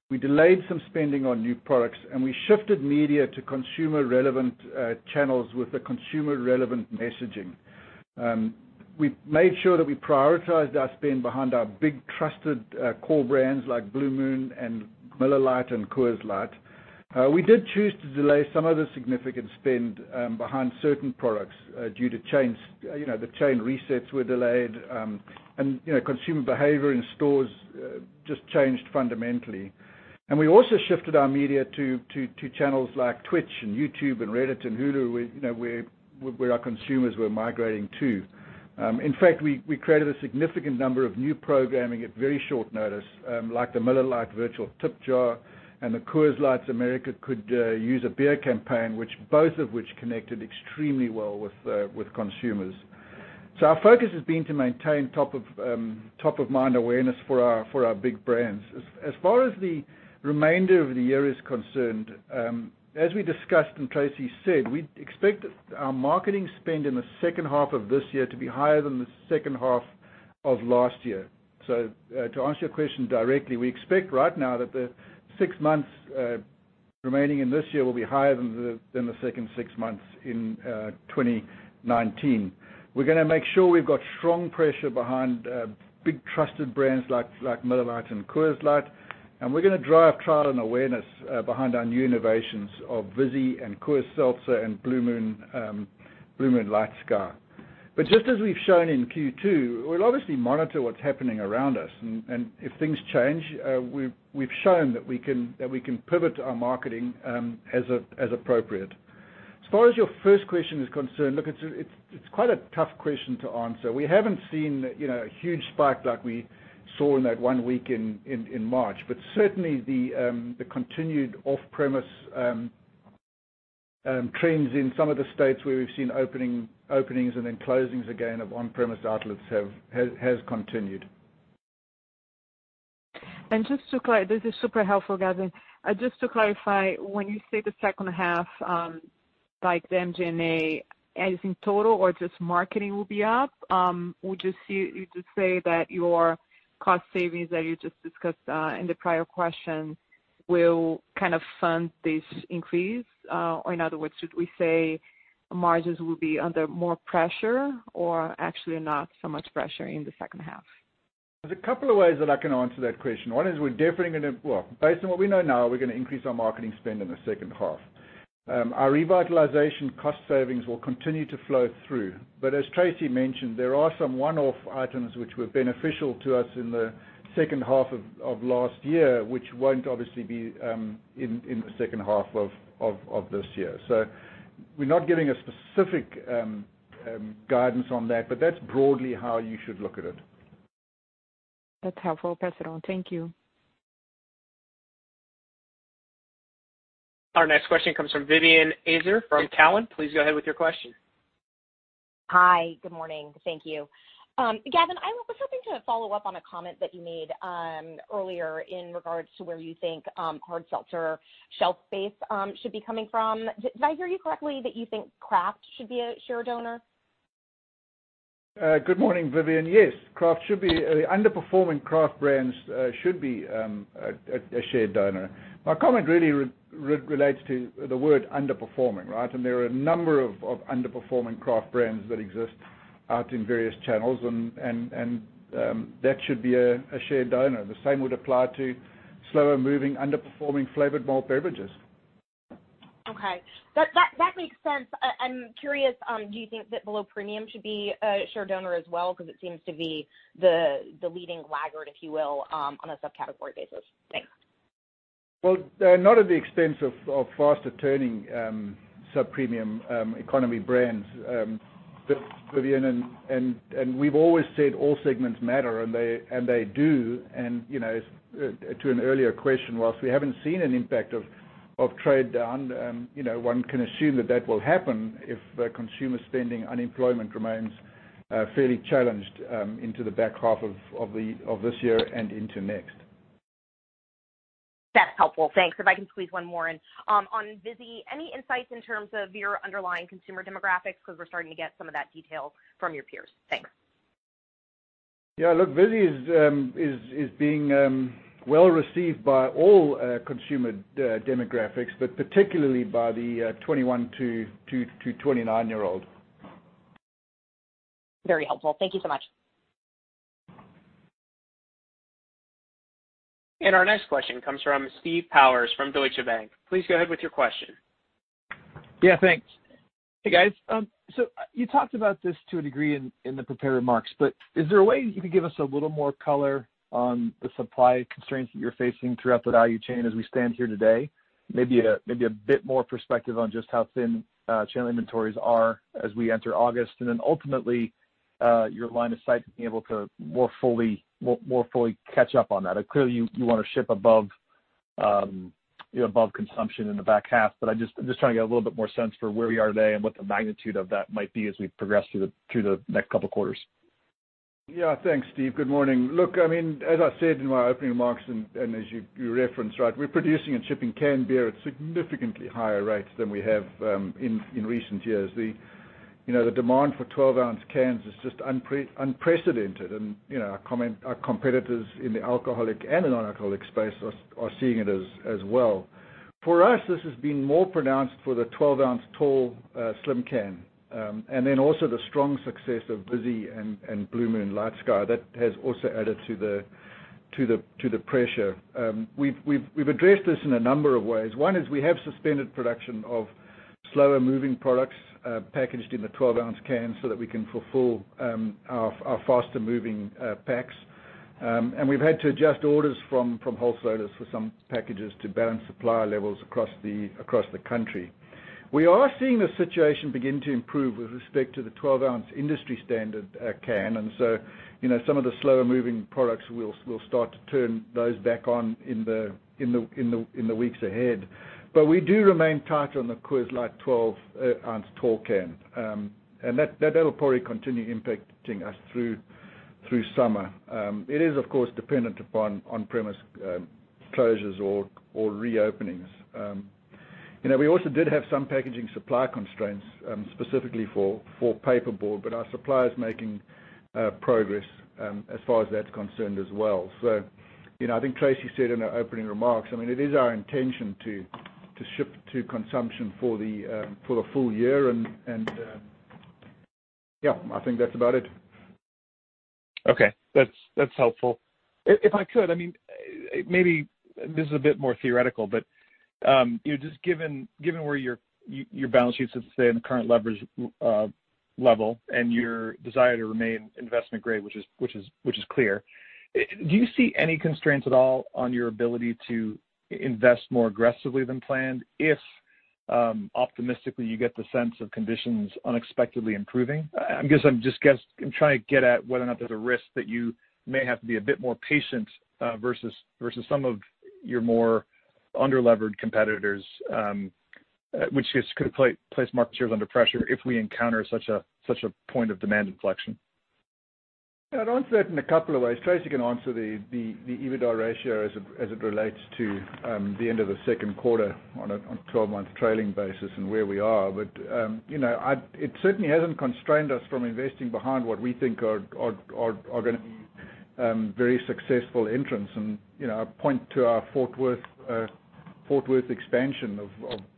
we delayed some spending on new products, and we shifted media to consumer-relevant channels with the consumer-relevant messaging. We made sure that we prioritized our spend behind our big trusted core brands like Blue Moon and Miller Lite and Coors Light. We did choose to delay some of the significant spend behind certain products due to the chain resets were delayed, and consumer behavior in stores just changed fundamentally. We also shifted our media to channels like Twitch and YouTube and Reddit and Hulu, where our consumers were migrating to. In fact, we created a significant number of new programming at very short notice, like the Miller Lite Virtual Tip Jar and the Coors Light America Could Use a Beer campaign, both of which connected extremely well with consumers. Our focus has been to maintain top-of-mind awareness for our big brands. As far as the remainder of the year is concerned, as we discussed and Tracey said, we expect our marketing spend in the second half of this year to be higher than the second half of last year. To answer your question directly, we expect right now that the six months remaining in this year will be higher than the second six months in 2019. We're going to make sure we've got strong pressure behind big trusted brands like Miller Lite and Coors Light, and we're going to drive trial and awareness behind our new innovations of Vizzy and Coors Seltzer and Blue Moon LightSky. Just as we've shown in Q2, we'll obviously monitor what's happening around us, and if things change, we've shown that we can pivot our marketing as appropriate. As far as your first question is concerned, look, it's quite a tough question to answer. We haven't seen a huge spike like we saw in that one week in March, but certainly the continued off-premise trends in some of the states where we've seen openings and then closings again of on-premise outlets has continued. This is super helpful, Gavin. Just to clarify, when you say the second half, like the MG&A, as in total or just marketing will be up? Would you say that your cost savings that you just discussed in the prior question will kind of fund this increase? In other words, should we say margins will be under more pressure or actually not so much pressure in the second half? There's a couple of ways that I can answer that question. One is Well, based on what we know now, we're going to increase our marketing spend in the second half. Our revitalization cost savings will continue to flow through. As Tracey mentioned, there are some one-off items which were beneficial to us in the second half of last year, which won't obviously be in the second half of this year. We're not giving a specific guidance on that, but that's broadly how you should look at it. That's helpful. I'll pass it on. Thank you. Our next question comes from Vivien Azer from Cowen. Please go ahead with your question. Hi. Good morning. Thank you. Gavin, I was hoping to follow up on a comment that you made earlier in regards to where you think hard seltzer shelf space should be coming from. Did I hear you correctly that you think craft should be a share donor? Good morning, Vivien. Yes, underperforming craft brands should be a share donor. My comment really relates to the word underperforming, right? There are a number of underperforming craft brands that exist out in various channels, and that should be a share donor. The same would apply to slower-moving, underperforming flavored malt beverages. Okay. That makes sense. I'm curious, do you think that below premium should be a share donor as well? It seems to be the leading laggard, if you will, on a subcategory basis. Thanks. Well, not at the expense of faster-turning subpremium economy brands. Vivien, and we've always said all segments matter, and they do. To an earlier question, whilst we haven't seen an impact of trade down, one can assume that that will happen if the consumer spending, unemployment remains fairly challenged into the back half of this year and into next. That's helpful. Thanks. If I can squeeze one more in. On Vizzy, any insights in terms of your underlying consumer demographics? We're starting to get some of that detail from your peers. Thanks. Yeah, look, Vizzy is being well received by all consumer demographics, but particularly by the 21-29 year old. Very helpful. Thank you so much. Our next question comes from Steve Powers from Deutsche Bank. Please go ahead with your question. Yeah, thanks. Hey, guys. You talked about this to a degree in the prepared remarks, but is there a way you could give us a little more color on the supply constraints that you're facing throughout the value chain as we stand here today? Maybe a bit more perspective on just how thin channel inventories are as we enter August, and then ultimately, your line of sight being able to more fully catch up on that. Clearly, you want to ship above consumption in the back half, but I'm just trying to get a little bit more sense for where we are today and what the magnitude of that might be as we progress through the next couple of quarters. Thanks, Steve. Good morning. Look, as I said in my opening remarks, as you referenced, right, we're producing and shipping canned beer at significantly higher rates than we have in recent years. The demand for 12 oz cans is just unprecedented. Our competitors in the alcoholic and non-alcoholic space are seeing it as well. For us, this has been more pronounced for the 12 oz tall, slim can. Also the strong success of Vizzy and Blue Moon LightSky, that has also added to the pressure. We've addressed this in a number of ways. One is we have suspended production of slower-moving products packaged in the 12 oz can so that we can fulfill our faster-moving packs. We've had to adjust orders from wholesalers for some packages to balance supply levels across the country. We are seeing the situation begin to improve with respect to the 12 oz industry standard can, and so some of the slower-moving products, we'll start to turn those back on in the weeks ahead. We do remain tight on the Coors Light 12 oz tall can. That'll probably continue impacting us through summer. It is, of course, dependent upon on-premise closures or reopenings. We also did have some packaging supply constraints, specifically for paperboard, but our supplier's making progress as far as that's concerned as well. I think Tracey said in her opening remarks, it is our intention to ship to consumption for the full year, and yeah, I think that's about it. Okay. That's helpful. If I could, maybe this is a bit more theoretical, but just given where your balance sheets sit today and the current leverage level and your desire to remain investment grade, which is clear, do you see any constraints at all on your ability to invest more aggressively than planned if optimistically you get the sense of conditions unexpectedly improving? I guess I'm just trying to get at whether or not there's a risk that you may have to be a bit more patient versus some of your more under-levered competitors, which could place market shares under pressure if we encounter such a point of demand inflection. Yeah, I'd answer that in a couple of ways. Tracey can answer the EBITDA ratio as it relates to the end of the second quarter on a 12-month trailing basis and where we are. It certainly hasn't constrained us from investing behind what we think are going to be very successful entrants. I point to our Fort Worth expansion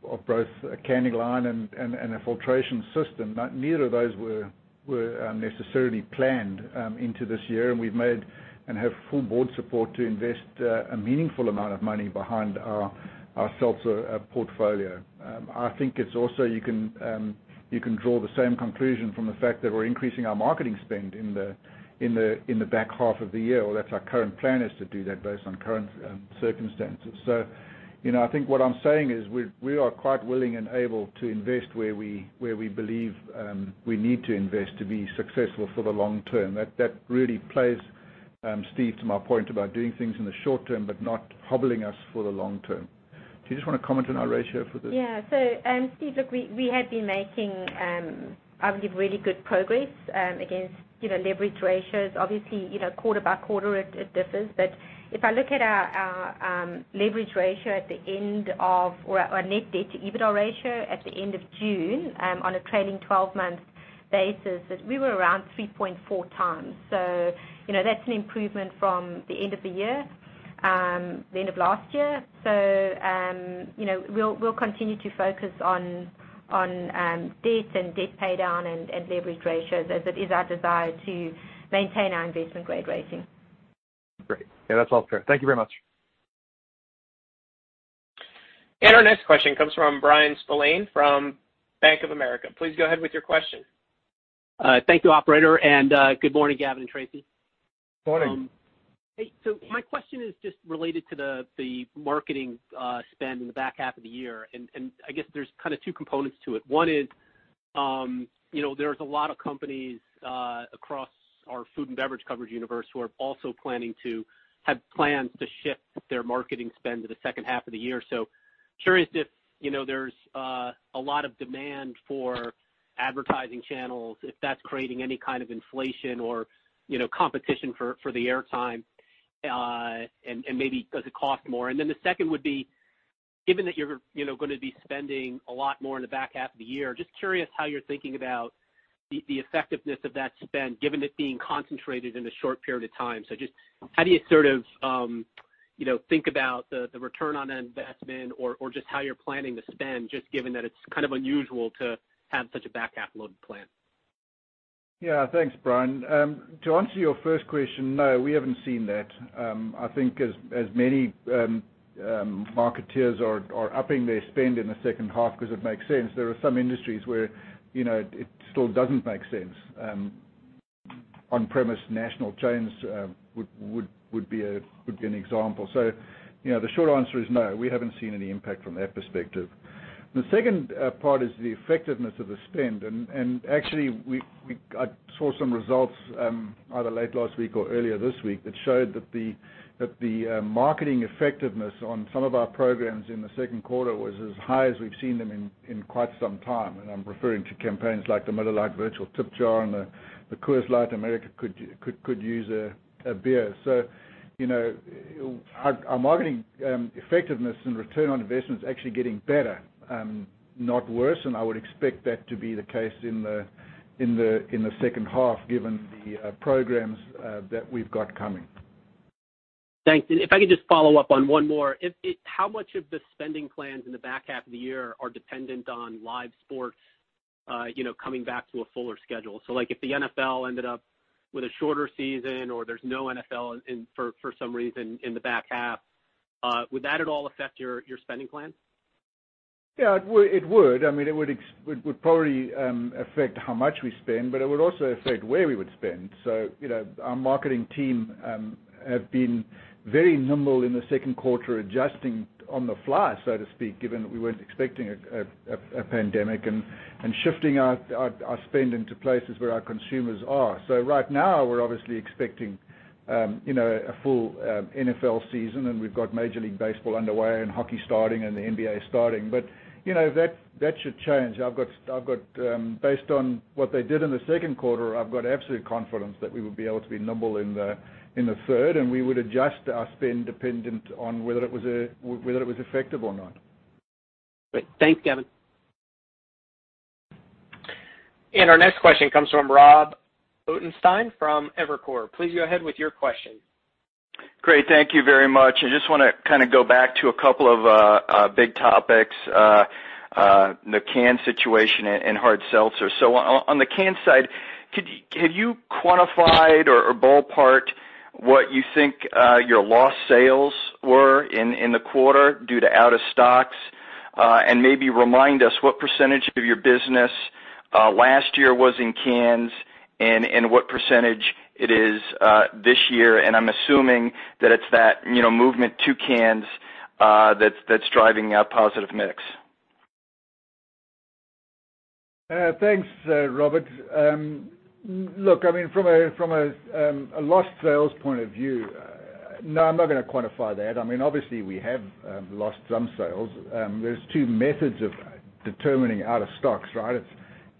of both a canning line and a filtration system. Neither of those were necessarily planned into this year, and we've made and have full board support to invest a meaningful amount of money behind our seltzer portfolio. I think it's also, you can draw the same conclusion from the fact that we're increasing our marketing spend in the back half of the year, or that's our current plan is to do that based on current circumstances. I think what I'm saying is we are quite willing and able to invest where we believe we need to invest to be successful for the long term. That really plays, Steve, to my point about doing things in the short term, but not hobbling us for the long term. Do you just want to comment on our ratio for this? Yeah. Steve, look, we have been making, I would say, really good progress against leverage ratios. Obviously, quarter by quarter it differs, but if I look at our leverage ratio Or net debt to EBITDA ratio at the end of June, on a trailing 12-month basis, we were around 3.4x. That's an improvement from the end of last year. We'll continue to focus on debt and debt paydown and leverage ratios as it is our desire to maintain our investment grade rating. Great. Yeah, that's all clear. Thank you very much. Our next question comes from Bryan Spillane from Bank of America. Please go ahead with your question. Thank you, operator, and good morning, Gavin and Tracey. Morning. My question is just related to the marketing spend in the back half of the year, and I guess there's two components to it. One is, there's a lot of companies across our food and beverage coverage universe who are also planning to have plans to shift their marketing spend to the second half of the year. Curious if there's a lot of demand for advertising channels, if that's creating any kind of inflation or competition for the air time. Maybe does it cost more? The second would be, given that you're going to be spending a lot more in the back half of the year, just curious how you're thinking about the effectiveness of that spend, given it being concentrated in a short period of time. Just how do you think about the return on investment or just how you're planning to spend, just given that it's kind of unusual to have such a back-half loaded plan? Yeah. Thanks, Bryan. To answer your first question, no, we haven't seen that. I think as many marketeers are upping their spend in the second half because it makes sense, there are some industries where it still doesn't make sense. On-premise national chains would be an example. The short answer is no. We haven't seen any impact from that perspective. The second part is the effectiveness of the spend. Actually, I saw some results, either late last week or earlier this week, that showed that the marketing effectiveness on some of our programs in the second quarter was as high as we've seen them in quite some time. I'm referring to campaigns like the Miller Lite Virtual Tip Jar and the Coors Light America Could Use a Beer. Our marketing effectiveness and return on investment is actually getting better, not worse, and I would expect that to be the case in the second half, given the programs that we've got coming. Thanks. If I could just follow up on one more. How much of the spending plans in the back half of the year are dependent on live sports coming back to a fuller schedule? Like if the NFL ended up with a shorter season or there's no NFL for some reason in the back half, would that at all affect your spending plans? It would. It would probably affect how much we spend, but it would also affect where we would spend. Our marketing team have been very nimble in the second quarter, adjusting on the fly, so to speak, given that we weren't expecting a pandemic and shifting our spend into places where our consumers are. Right now, we're obviously expecting a full NFL season, and we've got Major League Baseball underway and hockey starting and the NBA starting. That should change. Based on what they did in the second quarter, I've got absolute confidence that we would be able to be nimble in the third, and we would adjust our spend dependent on whether it was effective or not. Great. Thanks, Gavin. Our next question comes from Rob Ottenstein from Evercore. Please go ahead with your question. Great. Thank you very much. I just want to go back to a couple of big topics, the can situation and hard seltzer. On the can side, could you quantify or ballpark what you think your lost sales were in the quarter due to out of stocks? Maybe remind us what percentage of your business last year was in cans and what percentage it is this year? I'm assuming that it's that movement to cans that's driving a positive mix. Thanks, Robert. From a lost sales point of view, no, I'm not going to quantify that. Obviously, we have lost some sales. There's two methods of determining out of stocks, right? It's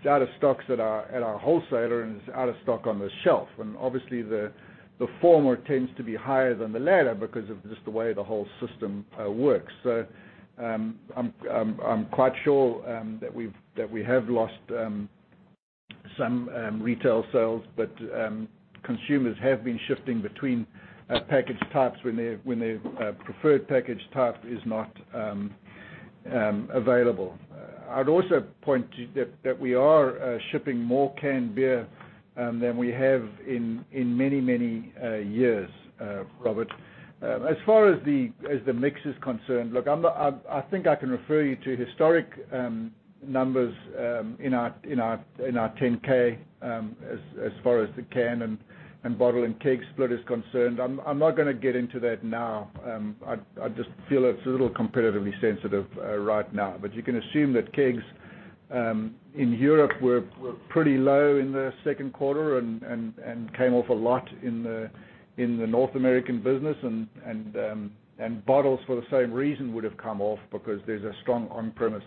out of stocks at our wholesaler and it's out of stock on the shelf. Obviously, the former tends to be higher than the latter because of just the way the whole system works. I'm quite sure that we have lost some retail sales, but consumers have been shifting between package types when their preferred package type is not available. I'd also point that we are shipping more canned beer than we have in many, many years, Robert. As far as the mix is concerned, I think I can refer you to historic numbers in our 10-K as far as the can and bottle and keg split is concerned. I'm not going to get into that now. I just feel it's a little competitively sensitive right now. You can assume that kegs in Europe were pretty low in the second quarter and came off a lot in the North American business. Bottles, for the same reason, would have come off because there's a strong on-premise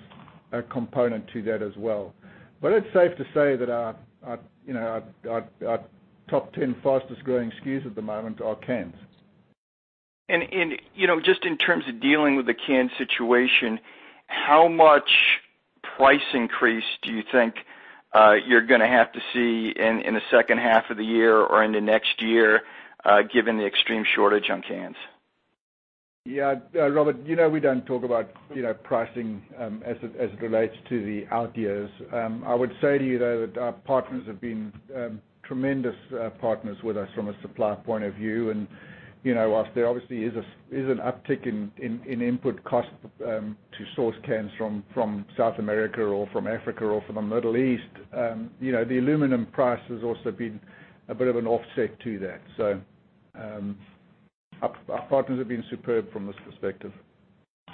component to that as well. It's safe to say that our top 10 fastest-growing SKU at the moment are cans. Just in terms of dealing with the can situation, how much price increase do you think you're going to have to see in the second half of the year or into next year, given the extreme shortage on cans? Yeah, Robert, you know we don't talk about pricing as it relates to the out years. I would say to you, though, that our partners have been tremendous partners with us from a supply point of view. Whilst there obviously is an uptick in input cost to source cans from South America or from Africa or from the Middle East. The aluminum price has also been a bit of an offset to that. Our partners have been superb from this perspective.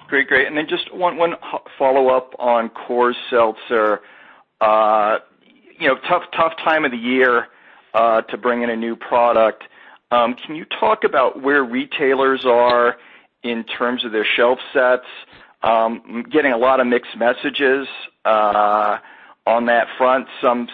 Great. Just one follow-up on Coors Seltzer. Tough time of the year to bring in a new product. Can you talk about where retailers are in terms of their shelf sets? I'm getting a lot of mixed messages on that front. Some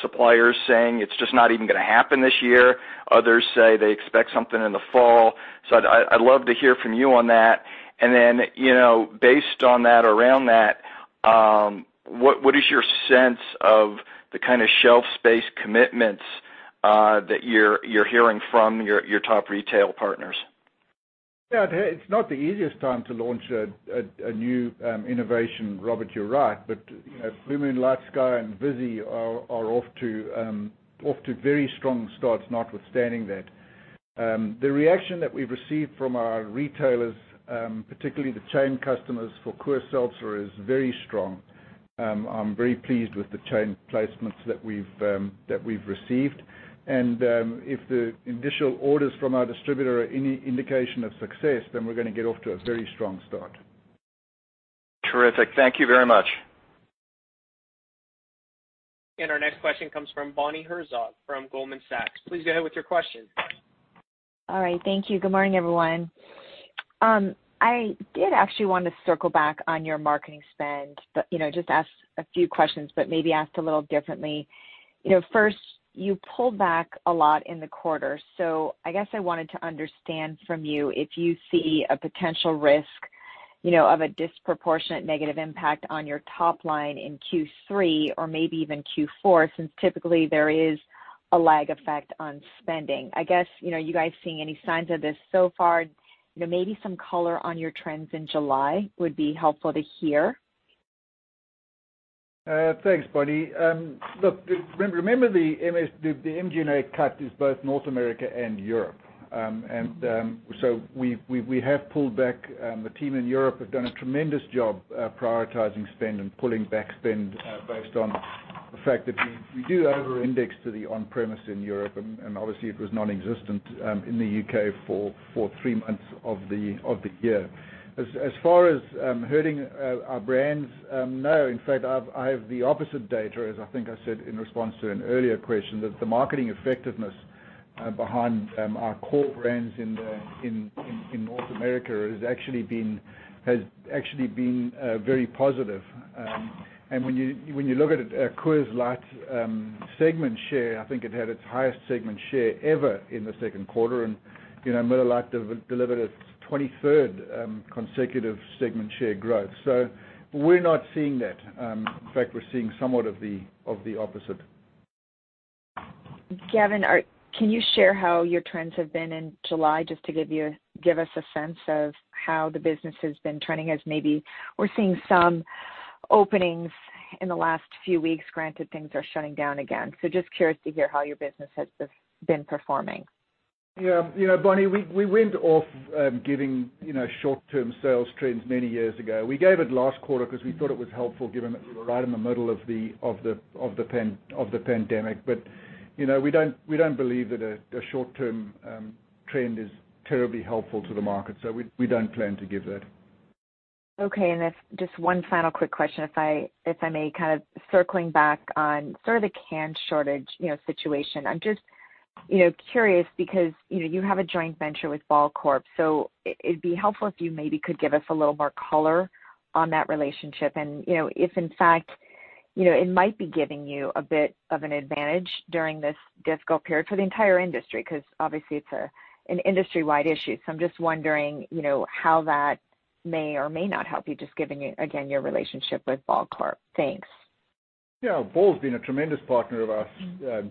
suppliers saying it's just not even going to happen this year. Others say they expect something in the fall. I'd love to hear from you on that. Based on that, around that, what is your sense of the kind of shelf space commitments that you're hearing from your top retail partners? It's not the easiest time to launch a new innovation, Robert, you're right. Blue Moon LightSky and Vizzy are off to very strong starts notwithstanding that. The reaction that we've received from our retailers, particularly the chain customers for Coors Seltzer, is very strong. I'm very pleased with the chain placements that we've received. If the initial orders from our distributor are any indication of success, then we're going to get off to a very strong start. Terrific. Thank you very much. Our next question comes from Bonnie Herzog from Goldman Sachs. Please go ahead with your question. All right. Thank you. Good morning, everyone. I did actually want to circle back on your marketing spend, just ask a few questions, but maybe asked a little differently. You pulled back a lot in the quarter. I wanted to understand from you if you see a potential risk of a disproportionate negative impact on your top line in Q3 or maybe even Q4, since typically there is a lag effect on spending. I guess, you guys seeing any signs of this so far? Maybe some color on your trends in July would be helpful to hear. Thanks, Bonnie. Look, remember, the MG&A cut is both North America and Europe. We have pulled back. The team in Europe have done a tremendous job prioritizing spend and pulling back spend based on the fact that we do over-index to the on-premise in Europe, and obviously, it was non-existent in the U.K. for three months of the year. As far as hurting our brands, no. In fact, I have the opposite data, as I think I said in response to an earlier question, that the marketing effectiveness behind our core brands in North America has actually been very positive. When you look at Coors Light segment share, I think it had its highest segment share ever in the second quarter. Miller Lite delivered its 23rd consecutive segment share growth. We're not seeing that. In fact, we're seeing somewhat of the opposite. Gavin, can you share how your trends have been in July just to give us a sense of how the business has been trending as maybe we're seeing some openings in the last few weeks? Granted, things are shutting down again. Just curious to hear how your business has been performing? Yeah. Bonnie, we went off giving short-term sales trends many years ago. We gave it last quarter because we thought it was helpful given that we were right in the middle of the pandemic. We don't believe that a short-term trend is terribly helpful to the market. We don't plan to give that. Just one final quick question, if I may. Kind of circling back on sort of the can shortage situation. I'm just curious because you have a joint venture with Ball Corp. It'd be helpful if you maybe could give us a little more color on that relationship and, if in fact, it might be giving you a bit of an advantage during this difficult period for the entire industry, because obviously it's an industry-wide issue. I'm just wondering how that may or may not help you, just given, again, your relationship with Ball Corp. Thanks. Yeah. Ball's been a tremendous partner of ours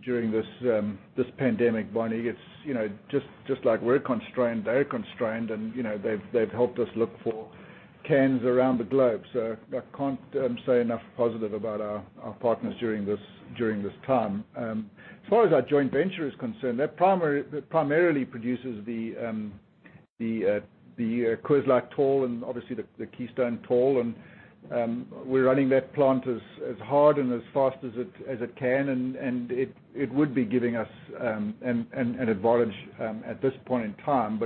during this pandemic, Bonnie. Just like we're constrained, they're constrained, and they've helped us look for cans around the globe. I can't say enough positive about our partners during this time. As far as our joint venture is concerned, that primarily produces the Coors Light tall and obviously the Keystone tall. We're running that plant as hard and as fast as it can, and it would be giving us an advantage at this point in time.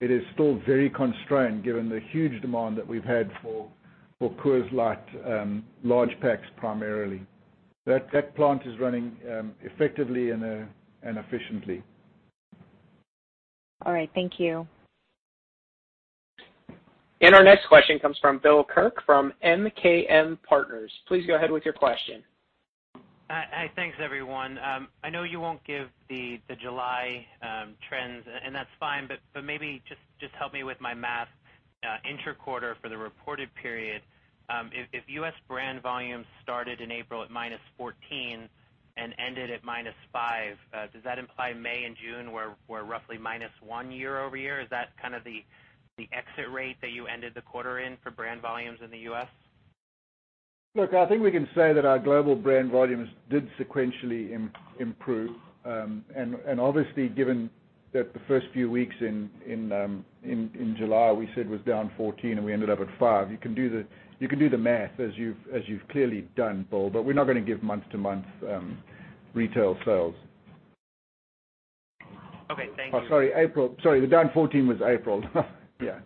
It is still very constrained given the huge demand that we've had for Coors Light large packs, primarily. That plant is running effectively and efficiently. All right. Thank you. Our next question comes from Bill Kirk of MKM Partners. Please go ahead with your question. Hi. Thanks, everyone. I know you won't give the July trends, that's fine, but maybe just help me with my math. Inter-quarter for the reported period, if U.S. brand volumes started in April at -14% and ended at -5%, does that imply May and June were roughly minus one year-over-year? Is that kind of the exit rate that you ended the quarter in for brand volumes in the U.S.? Look, I think we can say that our global brand volumes did sequentially improve. Obviously, given that the first few weeks in July, we said was down 14% and we ended up at 5%. You can do the math, as you've clearly done, Bill, we're not going to give month-to-month retail sales. Okay. Thank you. Oh, sorry. The down 14 was April. Yeah.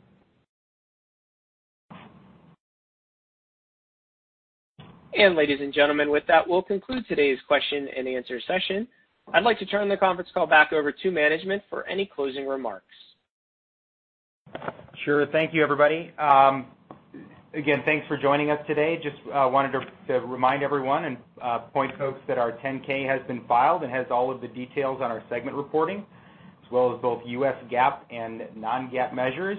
Ladies and gentlemen, with that, we'll conclude today's question and answer session. I'd like to turn the conference call back over to management for any closing remarks. Sure. Thank you, everybody. Thanks for joining us today. Just wanted to remind everyone and point folks that our 10-K has been filed and has all of the details on our segment reporting, as well as both U.S. GAAP and non-GAAP measures.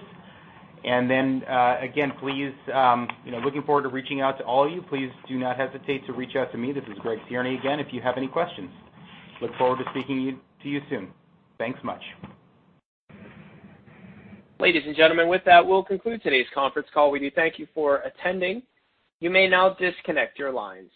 Looking forward to reaching out to all of you. Please do not hesitate to reach out to me, this is Greg Tierney again, if you have any questions. Look forward to speaking to you soon. Thanks much. Ladies and gentlemen, with that, we'll conclude today's conference call. We do thank you for attending. You may now disconnect your lines.